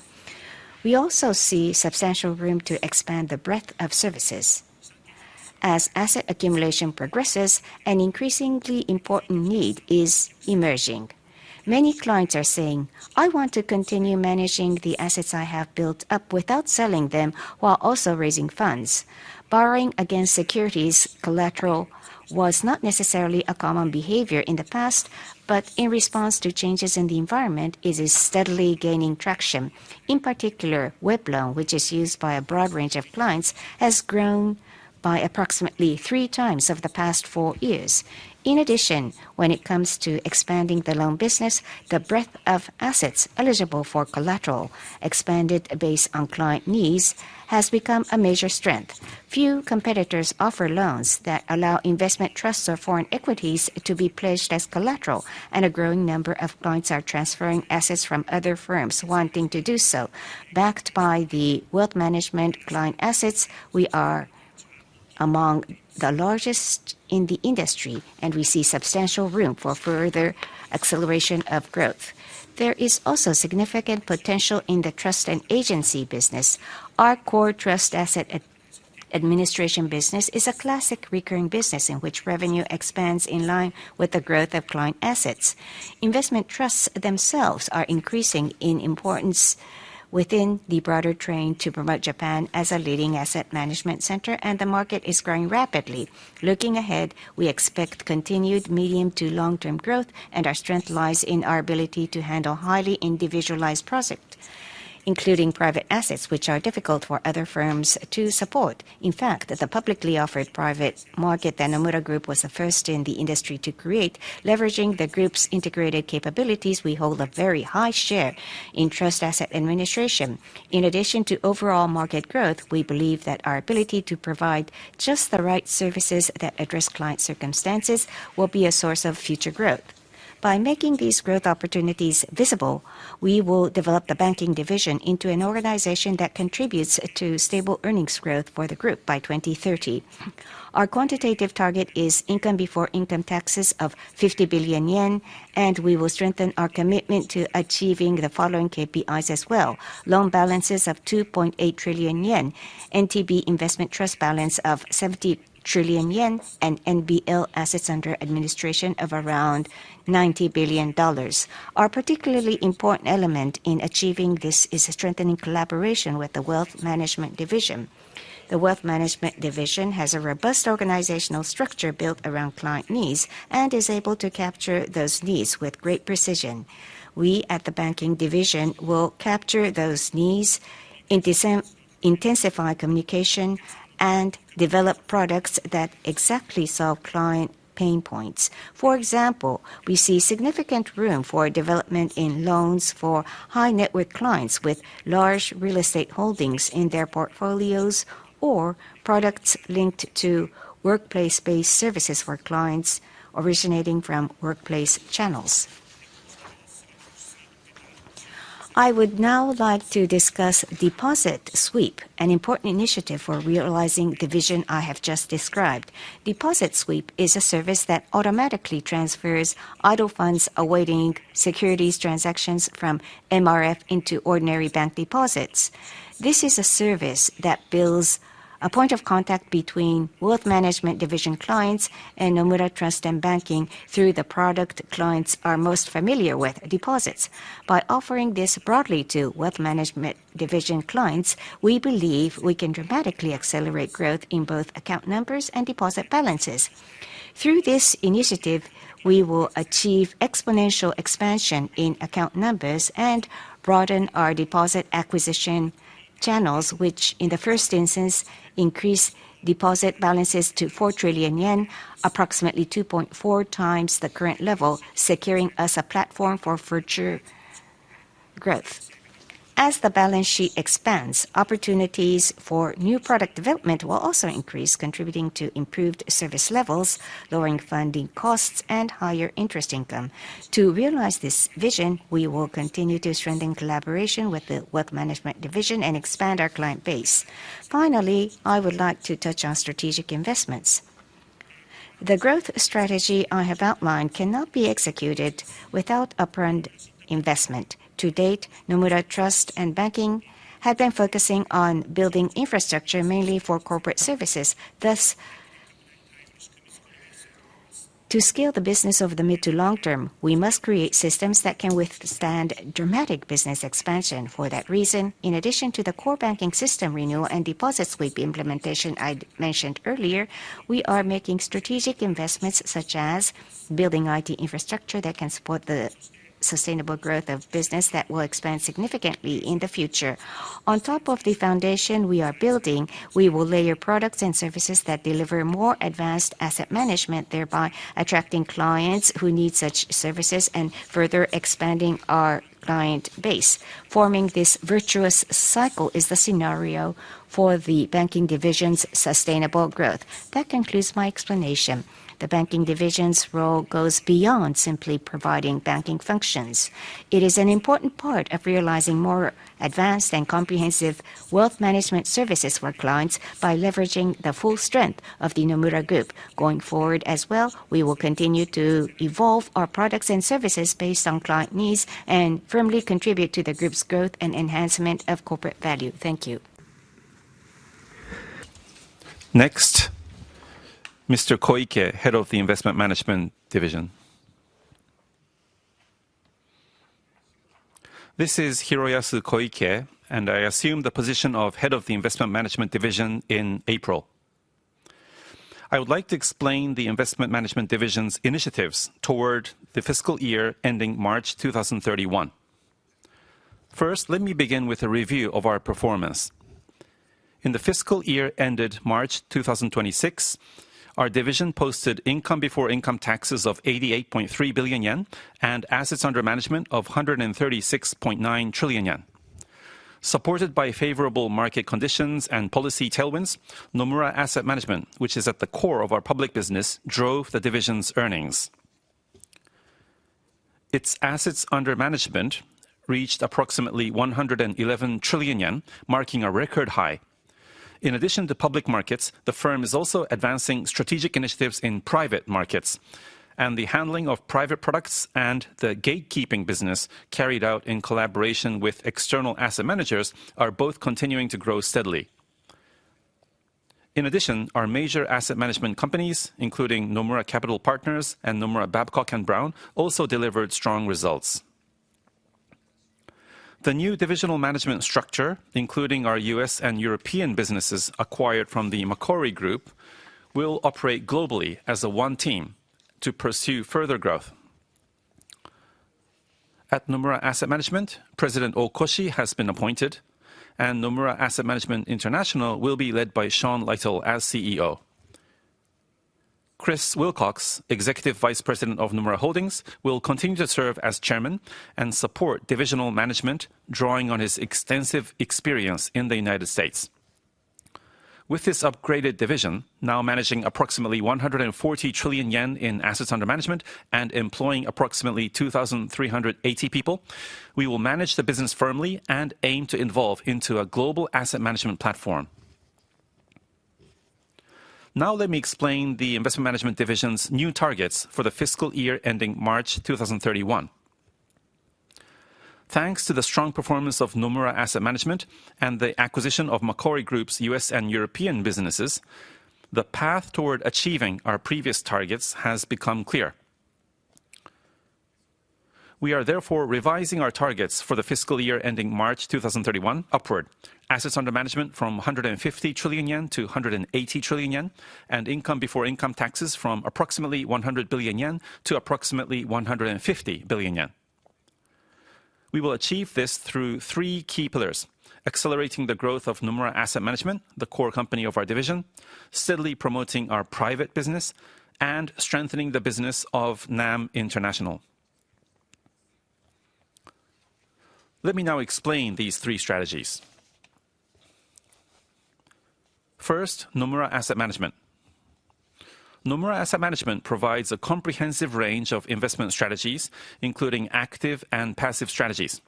We also see substantial room to expand the breadth of services. As asset accumulation progresses, an increasingly important need is emerging. Many clients are saying, "I want to continue managing the assets I have built up without selling them, while also raising funds." Borrowing against securities collateral was not necessarily a common behavior in the past, but in response to changes in the environment, it is steadily gaining traction. In particular, Nomura Web Loan, which is used by a broad range of clients, has grown by approximately 3x over the past four years. In addition, when it comes to expanding the loan business, the breadth of assets eligible for collateral expanded based on client needs has become a major strength. Few competitors offer loans that allow investment trusts or foreign equities to be pledged as collateral, and a growing number of clients are transferring assets from other firms wanting to do so. Backed by the wealth management client assets, we are among the largest in the industry, and we see substantial room for further acceleration of growth. There is also significant potential in the trust and agency business. Our core trust asset administration business is a classic recurring business in which revenue expands in line with the growth of client assets. Investment trusts themselves are increasing in importance within the broader trend to promote Japan as a leading asset management center, and the market is growing rapidly. Looking ahead, we expect continued medium to long-term growth, and our strength lies in our ability to handle highly individualized projects, including private assets, which are difficult for other firms to support. In fact, the publicly offered private market that Nomura Group was the first in the industry to create, leveraging the Group's integrated capabilities, we hold a very high share in trust asset administration. In addition to overall market growth, we believe that our ability to provide just the right services that address client circumstances will be a source of future growth. By making these growth opportunities visible, we will develop the Banking division into an organization that contributes to stable earnings growth for the group by 2030. Our quantitative target is income before income taxes of 50 billion yen, and we will strengthen our commitment to achieving the following KPIs as well. Loan balances of 2.8 trillion yen, NTB Investment Trust balance of 70 trillion yen, and NBL assets under administration of around 90 billion dollars. Our particularly important element in achieving this is strengthening collaboration with the Wealth Management division. The Wealth Management division has a robust organizational structure built around client needs and is able to capture those needs with great precision. We at the Banking division will capture those needs, intensify communication, and develop products that exactly solve client pain points. For example, we see significant room for development in loans for high-net-worth clients with large real estate holdings in their portfolios or products linked to workplace-based services for clients originating from workplace channels. I would now like to discuss Deposit Sweep, an important initiative for realizing the vision I have just described. Deposit Sweep is a service that automatically transfers idle funds awaiting securities transactions from MRF into ordinary bank deposits. This is a service that builds a point of contact between Wealth Management division clients and Nomura Trust & Banking through the product clients are most familiar with, deposits. By offering this broadly to Wealth Management division clients, we believe we can dramatically accelerate growth in both account numbers and deposit balances. Through this initiative, we will achieve exponential expansion in account numbers and broaden our deposit acquisition channels, which in the first instance, increase deposit balances to 4 trillion yen, approximately 2.4x the current level, securing us a platform for future growth. As the balance sheet expands, opportunities for new product development will also increase, contributing to improved service levels, lowering funding costs, and higher interest income. To realize this vision, we will continue to strengthen collaboration with the Wealth Management division and expand our client base. Finally, I would like to touch on strategic investments. The growth strategy I have outlined cannot be executed without upfront investment. To date, Nomura Trust & Banking have been focusing on building infrastructure mainly for corporate services. To scale the business over the mid to long term, we must create systems that can withstand dramatic business expansion. For that reason, in addition to the core banking system renewal and Deposit Sweep implementation I mentioned earlier, we are making strategic investments such as building IT infrastructure that can support the sustainable growth of business that will expand significantly in the future. On top of the foundation we are building, we will layer products and services that deliver more advanced asset management, thereby attracting clients who need such services and further expanding our client base. Forming this virtuous cycle is the scenario for the banking division's sustainable growth. That concludes my explanation. The banking division's role goes beyond simply providing banking functions. It is an important part of realizing more advanced and comprehensive Wealth Management services for clients by leveraging the full strength of the Nomura Group. Going forward as well, we will continue to evolve our products and services based on client needs and firmly contribute to the Group's growth and enhancement of corporate value. Thank you. Next, Mr. Koike, Head of the Investment Management Division. This is Hiroyasu Koike, I assumed the position of Head of the Investment Management Division in April. I would like to explain the Investment Management Division's initiatives toward the fiscal year ending March 2031. First, let me begin with a review of our performance. In the fiscal year ended March 2026, our division posted income before income taxes of 88.3 billion yen and assets under management of 136.9 trillion yen. Supported by favorable market conditions and policy tailwinds, Nomura Asset Management, which is at the core of our public business, drove the division's earnings. Its assets under management reached approximately 111 trillion yen, marking a record high. In addition to public markets, the firm is also advancing strategic initiatives in private markets, and the handling of private products and the gatekeeping business carried out in collaboration with external asset managers are both continuing to grow steadily. In addition, our major asset management companies, including Nomura Capital Partners and Nomura Babcock & Brown, also delivered strong results. The new divisional management structure, including our U.S. and European businesses acquired from the Macquarie Group, will operate globally as a one team to pursue further growth. At Nomura Asset Management, President Okoshi has been appointed, and Nomura Asset Management International will be led by Shawn Lytle as CEO. Chris Willcox, Executive Vice President of Nomura Holdings, will continue to serve as chairman and support divisional management, drawing on his extensive experience in the United States. With this upgraded division, now managing approximately 140 trillion yen in assets under management and employing approximately 2,380 people, we will manage the business firmly and aim to evolve into a global asset management platform. Now let me explain the Investment Management Division's new targets for the fiscal year ending March 2031. Thanks to the strong performance of Nomura Asset Management and the acquisition of Macquarie Group's U.S. and European businesses, the path toward achieving our previous targets has become clear. We are therefore revising our targets for the fiscal year ending March 2031 upward. Assets under management from 150 trillion yen to 180 trillion yen, and income before income taxes from approximately 100 billion yen to approximately 150 billion yen. We will achieve this through three key pillars, accelerating the growth of Nomura Asset Management, the core company of our division, steadily promoting our private business, and strengthening the business of NAM International. Let me now explain these three strategies. First, Nomura Asset Management. Nomura Asset Management provides a comprehensive range of investment strategies, including active and passive strategies.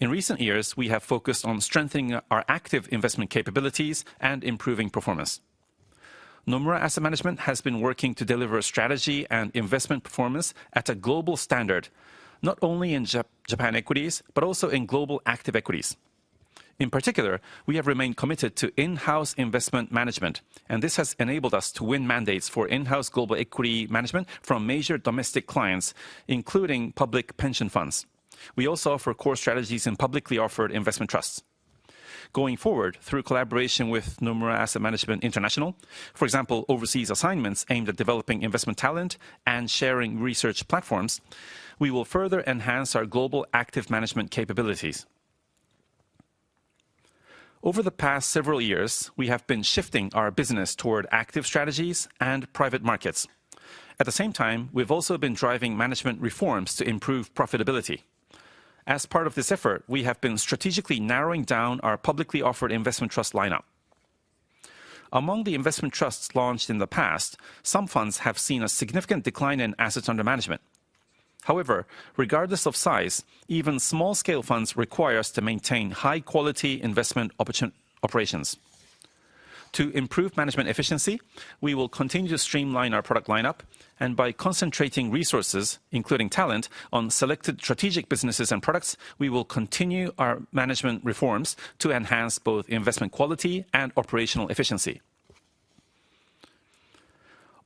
In recent years, we have focused on strengthening our active investment capabilities and improving performance. Nomura Asset Management has been working to deliver strategy and investment performance at a global standard, not only in Japan equities, but also in global active equities. In particular, we have remained committed to in-house investment management. This has enabled us to win mandates for in-house global equity management from major domestic clients, including public pension funds. We also offer core strategies in publicly offered investment trusts. Going forward, through collaboration with Nomura Asset Management International, for example, overseas assignments aimed at developing investment talent and sharing research platforms, we will further enhance our global active management capabilities. Over the past several years, we have been shifting our business toward active strategies and private markets. At the same time, we've also been driving management reforms to improve profitability. As part of this effort, we have been strategically narrowing down our publicly offered investment trust lineup. Among the investment trusts launched in the past, some funds have seen a significant decline in assets under management. However, regardless of size, even small-scale funds require us to maintain high-quality investment operations. To improve management efficiency, we will continue to streamline our product lineup, and by concentrating resources, including talent, on selected strategic businesses and products, we will continue our management reforms to enhance both investment quality and operational efficiency.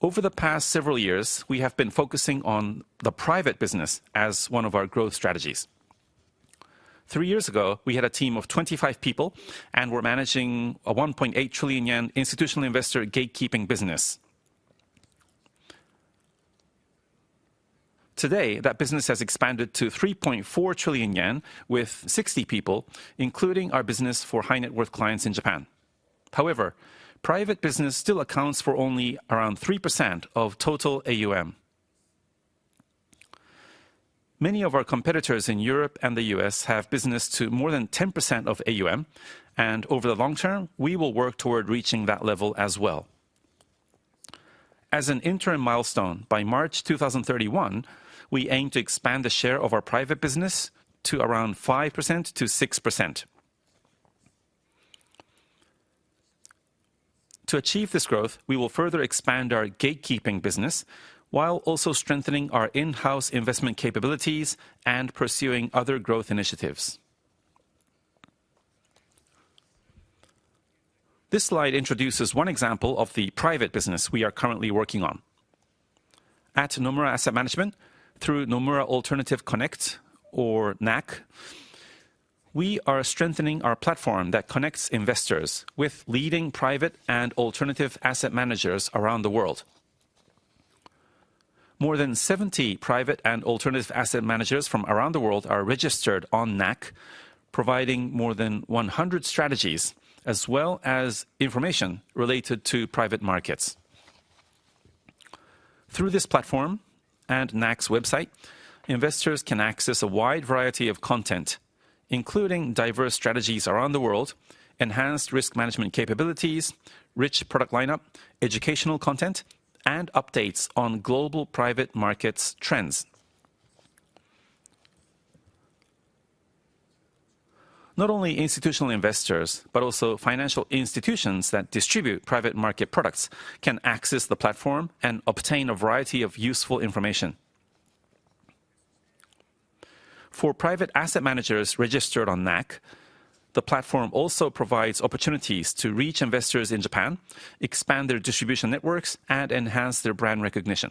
Over the past several years, we have been focusing on the private business as one of our growth strategies. Three years ago, we had a team of 25 people and were managing a 1.8 trillion yen institutional investor gatekeeping business. Today, that business has expanded to 3.4 trillion yen with 60 people, including our business for high-net-worth clients in Japan. However, private business still accounts for only around 3% of total AUM. Many of our competitors in Europe and the U.S. have business to more than 10% of AUM, and over the long term, we will work toward reaching that level as well. As an interim milestone, by March 2031, we aim to expand the share of our private business to around 5%-6%. To achieve this growth, we will further expand our gatekeeping business while also strengthening our in-house investment capabilities and pursuing other growth initiatives. This slide introduces one example of the private business we are currently working on. At Nomura Asset Management, through Nomura Alternative Connect, or NAC, we are strengthening our platform that connects investors with leading private and alternative asset managers around the world. More than 70 private and alternative asset managers from around the world are registered on NAC, providing more than 100 strategies, as well as information related to private markets. Through this platform and NAC's website, investors can access a wide variety of content, including diverse strategies around the world, enhanced risk management capabilities, rich product lineup, educational content, and updates on global private markets trends. Not only institutional investors, but also financial institutions that distribute private market products can access the platform and obtain a variety of useful information. For private asset managers registered on NAC, the platform also provides opportunities to reach investors in Japan, expand their distribution networks, and enhance their brand recognition.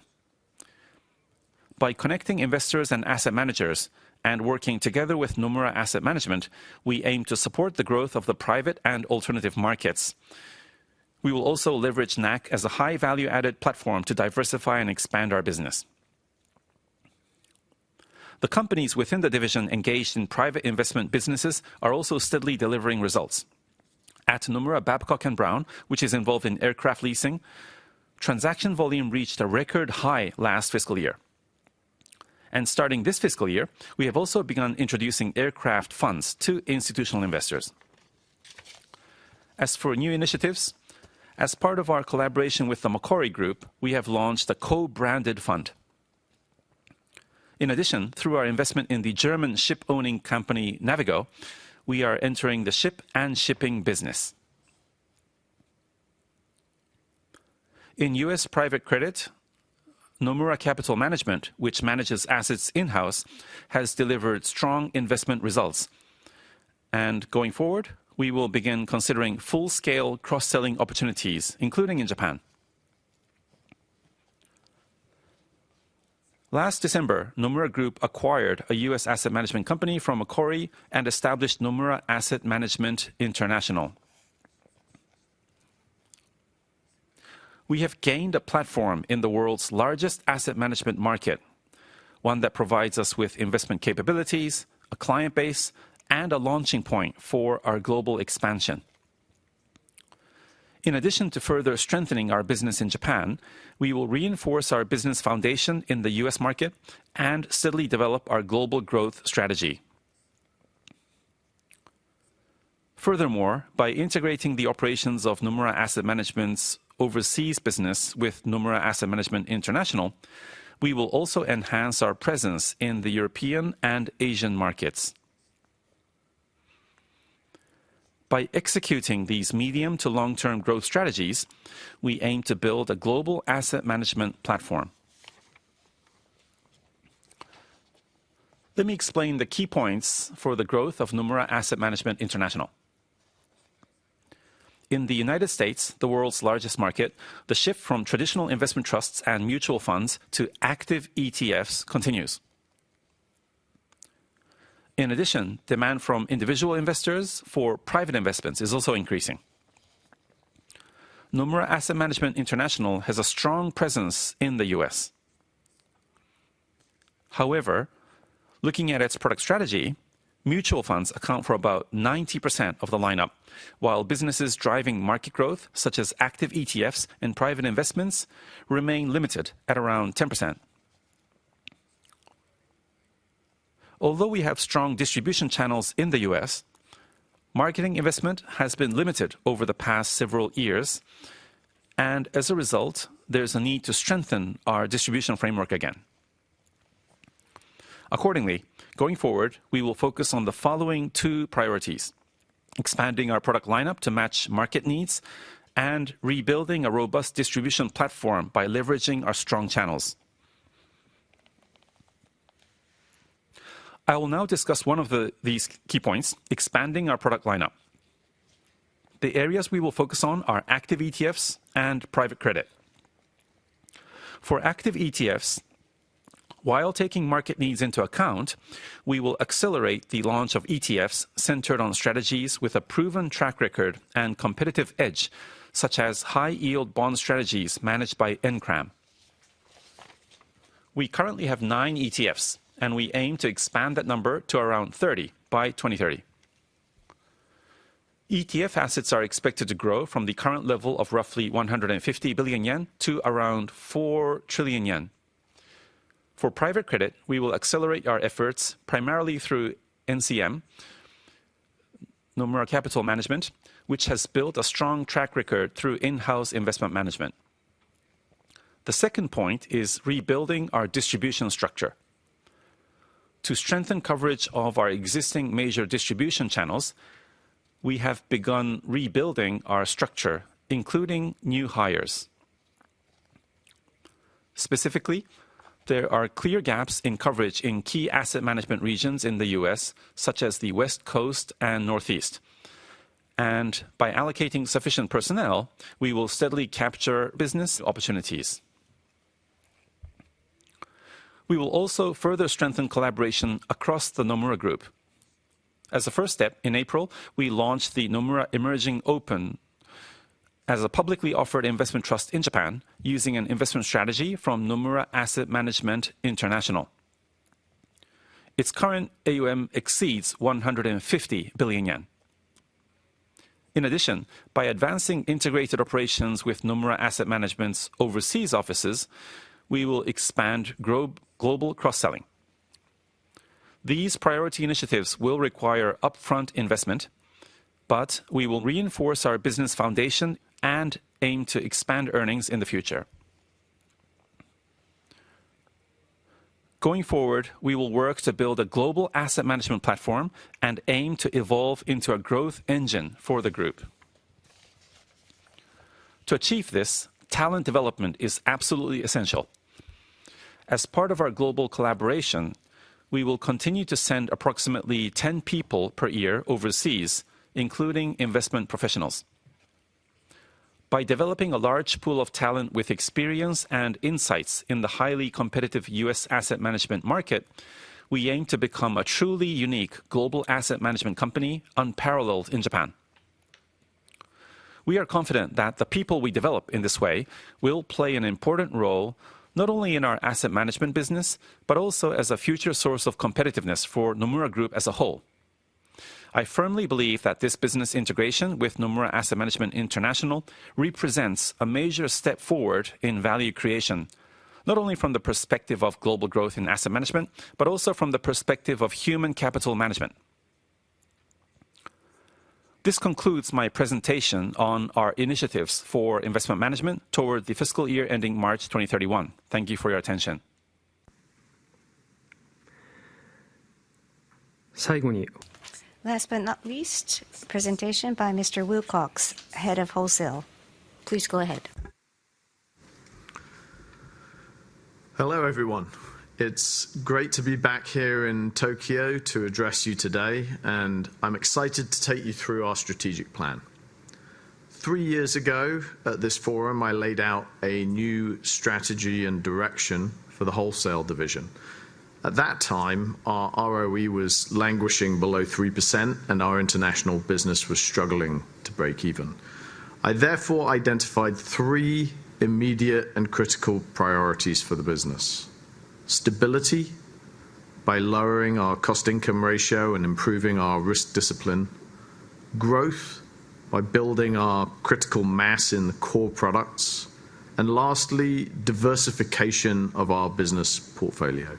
By connecting investors and asset managers and working together with Nomura Asset Management, we aim to support the growth of the private and alternative markets. We will also leverage NAC as a high value-added platform to diversify and expand our business. The companies within the division engaged in private investment businesses are also steadily delivering results. At Nomura Babcock & Brown, which is involved in aircraft leasing, transaction volume reached a record high last fiscal year. Starting this fiscal year, we have also begun introducing aircraft funds to institutional investors. As for new initiatives, as part of our collaboration with the Macquarie Group, we have launched a co-branded fund. In addition, through our investment in the German ship-owning company, Navigo, we are entering the ship and shipping business. In U.S. private credit, Nomura Capital Management, which manages assets in-house, has delivered strong investment results. Going forward, we will begin considering full-scale cross-selling opportunities, including in Japan. Last December, Nomura Group acquired a U.S. asset management company from Macquarie and established Nomura Asset Management International. We have gained a platform in the world's largest asset management market, one that provides us with investment capabilities, a client base, and a launching point for our global expansion. In addition to further strengthening our business in Japan, we will reinforce our business foundation in the U.S. market and steadily develop our global growth strategy. Furthermore, by integrating the operations of Nomura Asset Management's overseas business with Nomura Asset Management International, we will also enhance our presence in the European and Asian markets. By executing these medium to long-term growth strategies, we aim to build a global asset management platform. Let me explain the key points for the growth of Nomura Asset Management International. In the U.S., the world's largest market, the shift from traditional investment trusts and mutual funds to active ETFs continues. Demand from individual investors for private investments is also increasing. Nomura Asset Management International has a strong presence in the U.S. Looking at its product strategy, mutual funds account for about 90% of the lineup, while businesses driving market growth, such as active ETFs and private investments, remain limited at around 10%. We have strong distribution channels in the U.S., marketing investment has been limited over the past several years. As a result, there's a need to strengthen our distribution framework again. Going forward, we will focus on the following two priorities. Expanding our product lineup to match market needs and rebuilding a robust distribution platform by leveraging our strong channels. I will now discuss one of these key points, expanding our product lineup. The areas we will focus on are active ETFs and private credit. For active ETFs, while taking market needs into account, we will accelerate the launch of ETFs centered on strategies with a proven track record and competitive edge, such as high-yield bond strategies managed by NCRAM. We currently have nine ETFs, and we aim to expand that number to around 30 by 2030. ETF assets are expected to grow from the current level of roughly 150 billion yen to around 4 trillion yen. For private credit, we will accelerate our efforts primarily through NCM, Nomura Capital Management, which has built a strong track record through in-house investment management. The second point is rebuilding our distribution structure. To strengthen coverage of our existing major distribution channels, we have begun rebuilding our structure, including new hires. Specifically, there are clear gaps in coverage in key asset management regions in the U.S., such as the West Coast and Northeast. By allocating sufficient personnel, we will steadily capture business opportunities. We will also further strengthen collaboration across the Nomura Group. As a first step, in April, we launched the Nomura Emerging Open as a publicly offered investment trust in Japan, using an investment strategy from Nomura Asset Management International. Its current AUM exceeds 150 billion yen. In addition, by advancing integrated operations with Nomura Asset Management's overseas offices, we will expand global cross-selling. These priority initiatives will require upfront investment, but we will reinforce our business foundation and aim to expand earnings in the future. Going forward, we will work to build a global asset management platform and aim to evolve into a growth engine for the Group. To achieve this, talent development is absolutely essential. As part of our global collaboration, we will continue to send approximately 10 people per year overseas, including investment professionals. By developing a large pool of talent with experience and insights in the highly competitive U.S. asset management market, we aim to become a truly unique global asset management company, unparalleled in Japan. We are confident that the people we develop in this way will play an important role, not only in our asset management business, but also as a future source of competitiveness for Nomura Group as a whole. I firmly believe that this business integration with Nomura Asset Management International represents a major step forward in value creation, not only from the perspective of global growth in asset management, but also from the perspective of human capital management. This concludes my presentation on our initiatives for investment management toward the fiscal year ending March 2031. Thank you for your attention. Last but not least, presentation by Mr. Willcox, Head of Wholesale. Please go ahead. Hello, everyone. It's great to be back here in Tokyo to address you today, and I'm excited to take you through our strategic plan. Three years ago at this forum, I laid out a new strategy and direction for the Wholesale division. At that time, our ROE was languishing below 3%, and our International business was struggling to break even. I therefore identified three immediate and critical priorities for the business. Stability by lowering our cost-to-income ratio and improving our risk discipline. Growth by building our critical mass in the core products. Lastly, diversification of our business portfolio.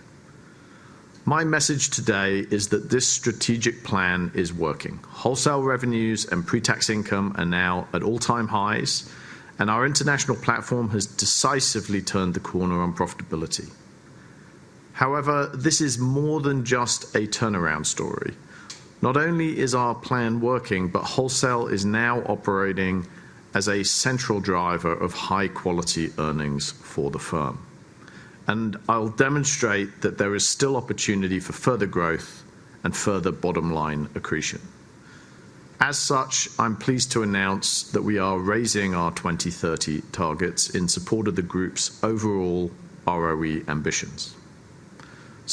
My message today is that this strategic plan is working. Wholesale revenues and pre-tax income are now at all-time highs, and our International platform has decisively turned the corner on profitability. However, this is more than just a turnaround story. Not only is our plan working, but wholesale is now operating as a central driver of high-quality earnings for the firm. I'll demonstrate that there is still opportunity for further growth and further bottom-line accretion. I'm pleased to announce that we are raising our 2030 targets in support of the group's overall ROE ambitions.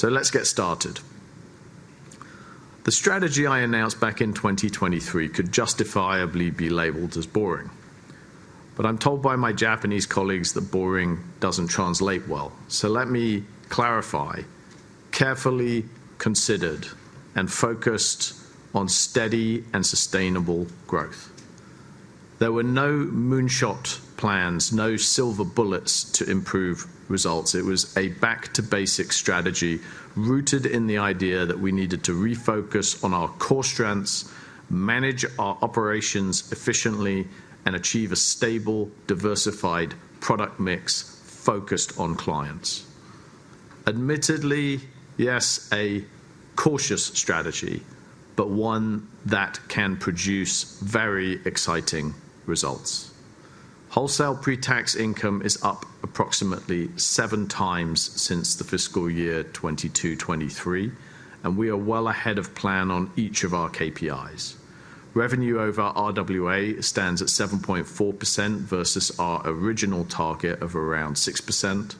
Let's get started. The strategy I announced back in 2023 could justifiably be labeled as boring. I'm told by my Japanese colleagues that boring doesn't translate well. Let me clarify. Carefully considered and focused on steady and sustainable growth. There were no moonshot plans, no silver bullets to improve results. It was a back-to-basics strategy rooted in the idea that we needed to refocus on our core strengths, manage our operations efficiently, and achieve a stable, diversified product mix focused on clients. Admittedly, yes, a cautious strategy, but one that can produce very exciting results. Wholesale pre-tax income is up approximately 7x since the fiscal year 2022, 2023, and we are well ahead of plan on each of our KPIs. Revenue over our RWA stands at 7.4% versus our original target of around 6%.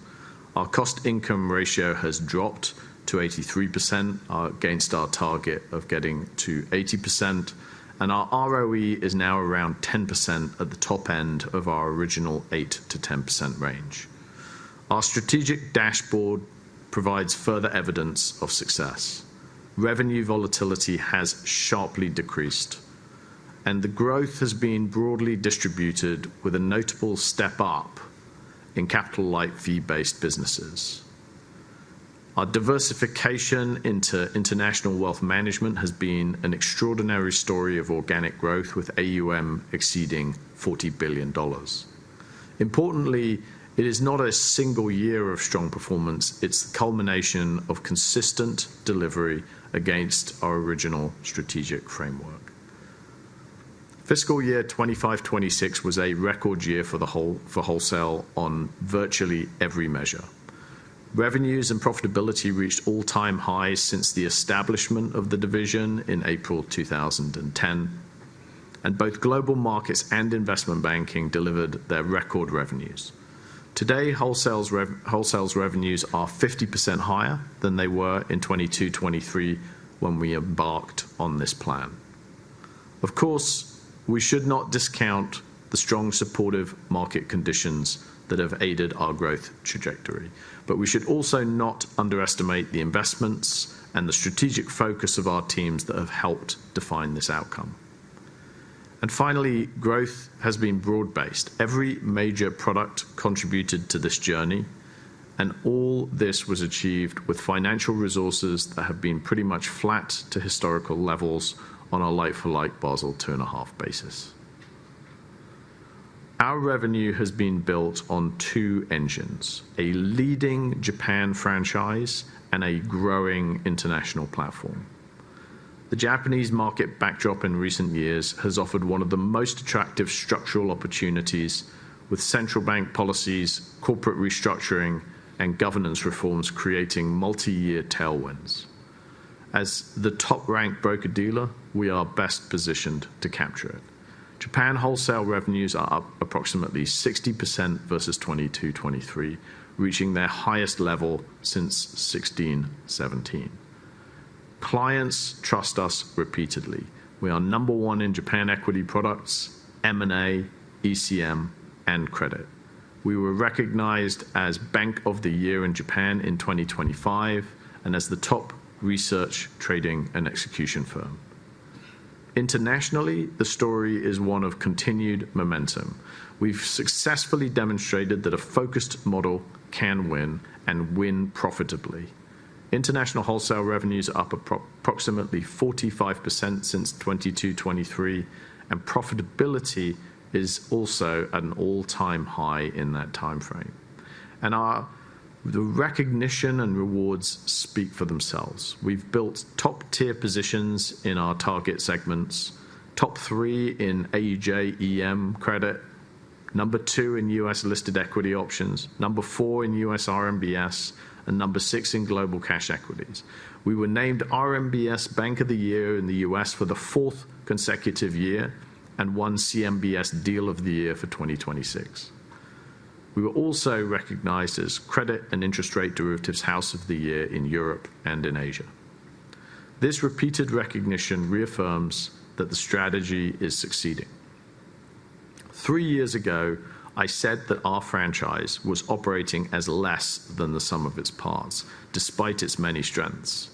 Our cost-to-income ratio has dropped to 83%, against our target of getting to 80%, and our ROE is now around 10% at the top end of our original 8%-10% range. Our strategic dashboard provides further evidence of success. Revenue volatility has sharply decreased, and the growth has been broadly distributed with a notable step up in capital light fee-based businesses. Our diversification into international Wealth Management has been an extraordinary story of organic growth with AUM exceeding $40 billion. Importantly, it is not a single year of strong performance. It's the culmination of consistent delivery against our original strategic framework. Fiscal year 2025, 2026 was a record year for Wholesale on virtually every measure. Revenues and profitability reached all-time highs since the establishment of the division in April 2010, and both Global Markets and Investment Banking delivered their record revenues. Today, Wholesale's revenues are 50% higher than they were in 2022, 2023, when we embarked on this plan. Of course, we should not discount the strong supportive market conditions that have aided our growth trajectory, but we should also not underestimate the investments and the strategic focus of our teams that have helped define this outcome. Finally, growth has been broad based. Every major product contributed to this journey, all this was achieved with financial resources that have been pretty much flat to historical levels on a like for like Basel 2.5 basis. Our revenue has been built on two engines: a leading Japan franchise and a growing international platform. The Japanese market backdrop in recent years has offered one of the most attractive structural opportunities with central bank policies, corporate restructuring, and governance reforms creating multiyear tailwinds. As the top-ranked broker dealer, we are best positioned to capture it. Japan wholesale revenues are up approximately 60% versus 2022, 2023, reaching their highest level since 2016, 2017. Clients trust us repeatedly. We are number one in Japan equity products, M&A, ECM, and credit. We were recognized as Bank of the Year in Japan in 2025 and as the top research trading and execution firm. Internationally, the story is one of continued momentum. We've successfully demonstrated that a focused model can win and win profitably. International wholesale revenues are up approximately 45% since 2022, 2023. Profitability is also at an all-time high in that timeframe. The recognition and rewards speak for themselves. We've built top-tier positions in our target segments, top three in AJEM credit, number two in U.S. listed equity options, number four in U.S. RMBS, number six in global cash equities. We were named RMBS Bank of the Year in the U.S. for the fourth consecutive year and won CMBS Deal of the Year for 2026. We were also recognized as Credit and Interest Rate Derivatives House of the Year in Europe and in Asia. This repeated recognition reaffirms that the strategy is succeeding. Three years ago, I said that our franchise was operating as less than the sum of its parts, despite its many strengths.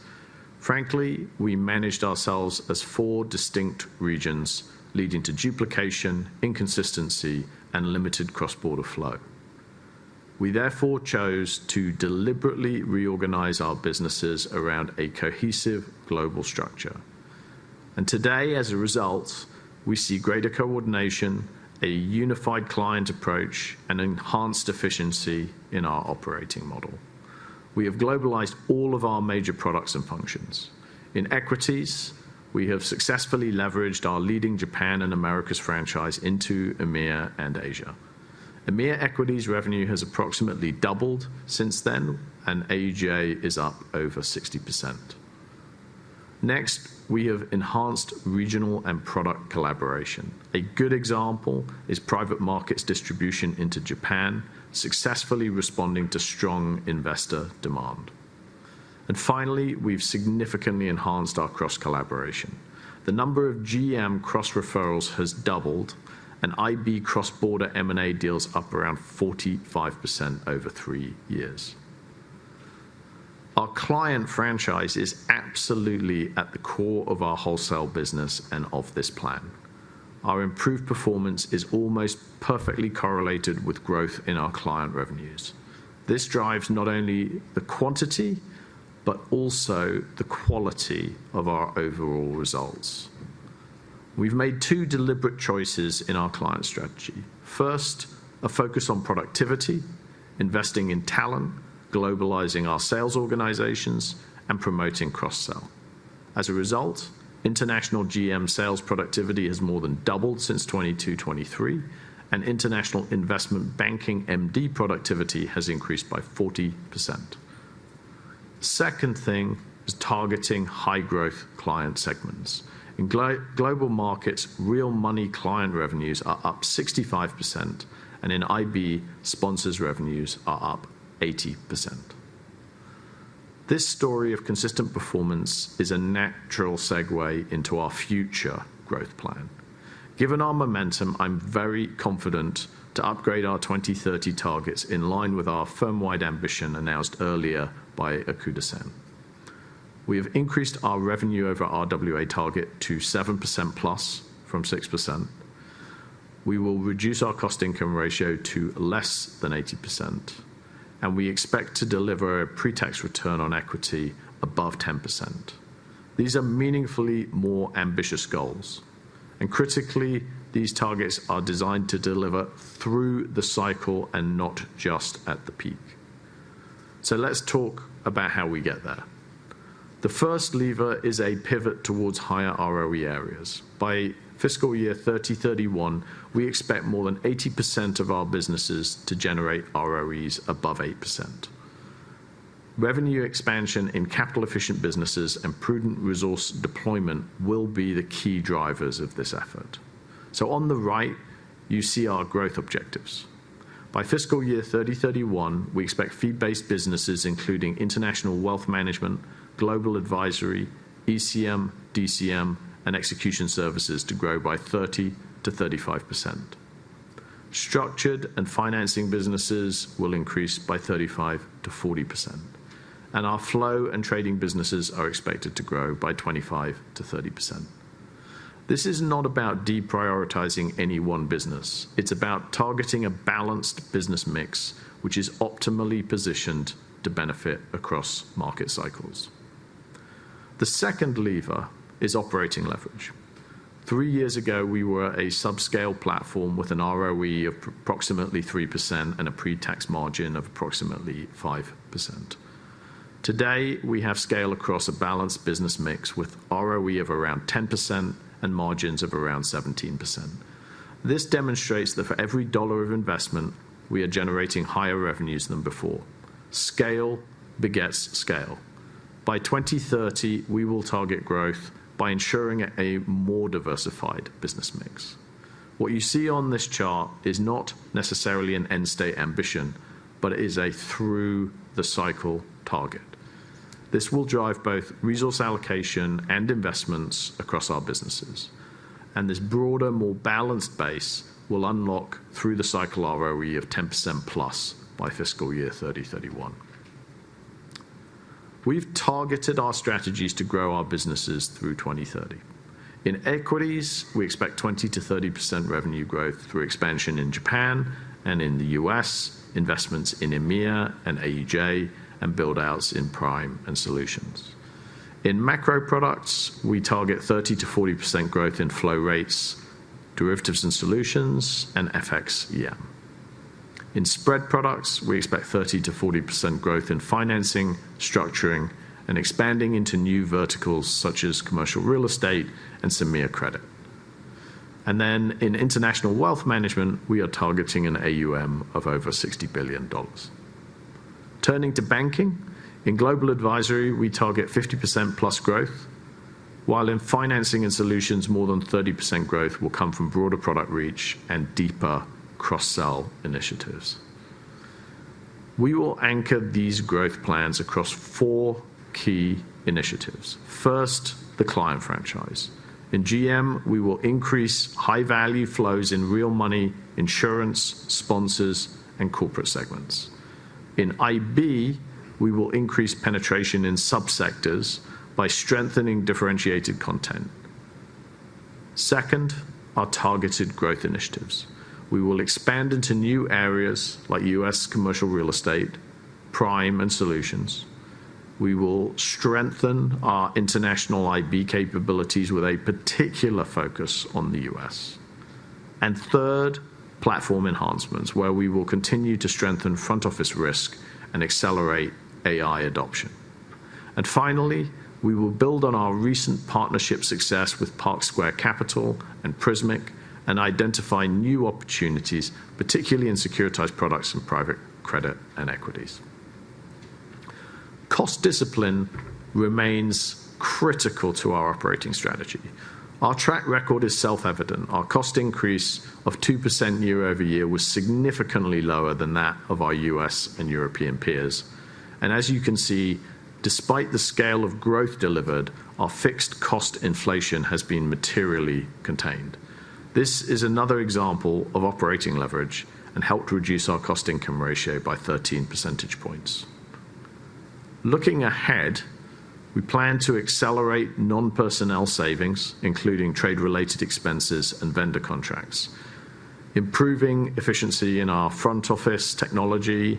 Frankly, we managed ourselves as four distinct regions, leading to duplication, inconsistency, and limited cross-border flow. We therefore chose to deliberately reorganize our businesses around a cohesive global structure. Today, as a result, we see greater coordination, a unified client approach, and enhanced efficiency in our operating model. We have globalized all of our major products and functions. In equities, we have successfully leveraged our leading Japan and Americas franchise into EMEA and Asia. EMEA equities revenue has approximately doubled since then, and AEJ is up over 60%. Next, we have enhanced regional and product collaboration. A good example is private markets distribution into Japan successfully responding to strong investor demand. Finally, we've significantly enhanced our cross collaboration. The number of GM cross referrals has doubled and IB cross-border M&A deals up around 45% over three years. Our client franchise is absolutely at the core of our wholesale business and of this plan. Our improved performance is almost perfectly correlated with growth in our client revenues. This drives not only the quantity, but also the quality of our overall results. We've made two deliberate choices in our client strategy. First, a focus on productivity, investing in talent, globalizing our sales organizations, and promoting cross-sell. As a result, international Global Markets sales productivity has more than doubled since 2023, and international Investment Banking MD productivity has increased by 40%. Second thing is targeting high-growth client segments. In Global Markets, real money client revenues are up 65%, and in Investment Banking, sponsors revenues are up 80%. This story of consistent performance is a natural segue into our future growth plan. Given our momentum, I'm very confident to upgrade our 2030 targets in line with our firm-wide ambition announced earlier by Okuda-san. We have increased our revenue over RWA target to 7%+ from 6%. We will reduce our cost-to-income ratio to less than 80%, and we expect to deliver a pre-tax return on equity above 10%. These are meaningfully more ambitious goals, and critically, these targets are designed to deliver through the cycle and not just at the peak. Let's talk about how we get there. The first lever is a pivot towards higher ROE areas. By fiscal year 2031, we expect more than 80% of our businesses to generate ROEs above 8%. Revenue expansion in capital efficient businesses and prudent resource deployment will be the key drivers of this effort. On the right, you see our growth objectives. By fiscal year 2031, we expect fee-based businesses, including international wealth management, global advisory, ECM, DCM, and execution services, to grow by 30%-35%. Structured and financing businesses will increase by 35%-40%. Our flow and trading businesses are expected to grow by 25%-30%. This is not about deprioritizing any one business. It's about targeting a balanced business mix, which is optimally positioned to benefit across market cycles. The second lever is operating leverage. Three years ago, we were a subscale platform with an ROE of approximately 3% and a pre-tax margin of approximately 5%. Today, we have scale across a balanced business mix with ROE of around 10% and margins of around 17%. This demonstrates that for every dollar of investment, we are generating higher revenues than before. Scale begets scale. By 2030, we will target growth by ensuring a more diversified business mix. What you see on this chart is not necessarily an end state ambition, but it is a through the cycle target. This will drive both resource allocation and investments across our businesses. This broader, more balanced base will unlock through the cycle ROE of 10% plus by fiscal year 2031. We've targeted our strategies to grow our businesses through 2030. In equities, we expect 20%-30% revenue growth through expansion in Japan and in the U.S., investments in EMEA and AEJ, and build-outs in prime and solutions. In macro products, we target 30%-40% growth in flow rates, derivatives and solutions, and FX EM. In spread products, we expect 30%-40% growth in financing, structuring, and expanding into new verticals such as commercial real estate and CEMEA credit. In international wealth management, we are targeting an AUM of over $60 billion. Turning to banking, in global advisory, we target 50% plus growth, while in financing and solutions, more than 30% growth will come from broader product reach and deeper cross-sell initiatives. We will anchor these growth plans across four key initiatives. First, the client franchise. In GM, we will increase high-value flows in real money, insurance, sponsors, and corporate segments. In IB, we will increase penetration in subsectors by strengthening differentiated content. Second, our targeted growth initiatives. We will expand into new areas like U.S. commercial real estate, prime, and solutions. We will strengthen our international IB capabilities with a particular focus on the U.S. Third, platform enhancements, where we will continue to strengthen front-office risk and accelerate AI adoption. Finally, we will build on our recent partnership success with Park Square Capital and Prismic and identify new opportunities, particularly in securitized products and private credit and equities. Cost discipline remains critical to our operating strategy. Our track record is self-evident. Our cost increase of 2% year-over-year was significantly lower than that of our U.S. and European peers. As you can see, despite the scale of growth delivered, our fixed cost inflation has been materially contained. This is another example of operating leverage and helped reduce our cost-to-income ratio by 13 percentage points. Looking ahead, we plan to accelerate non-personnel savings, including trade-related expenses and vendor contracts, improving efficiency in our front office technology,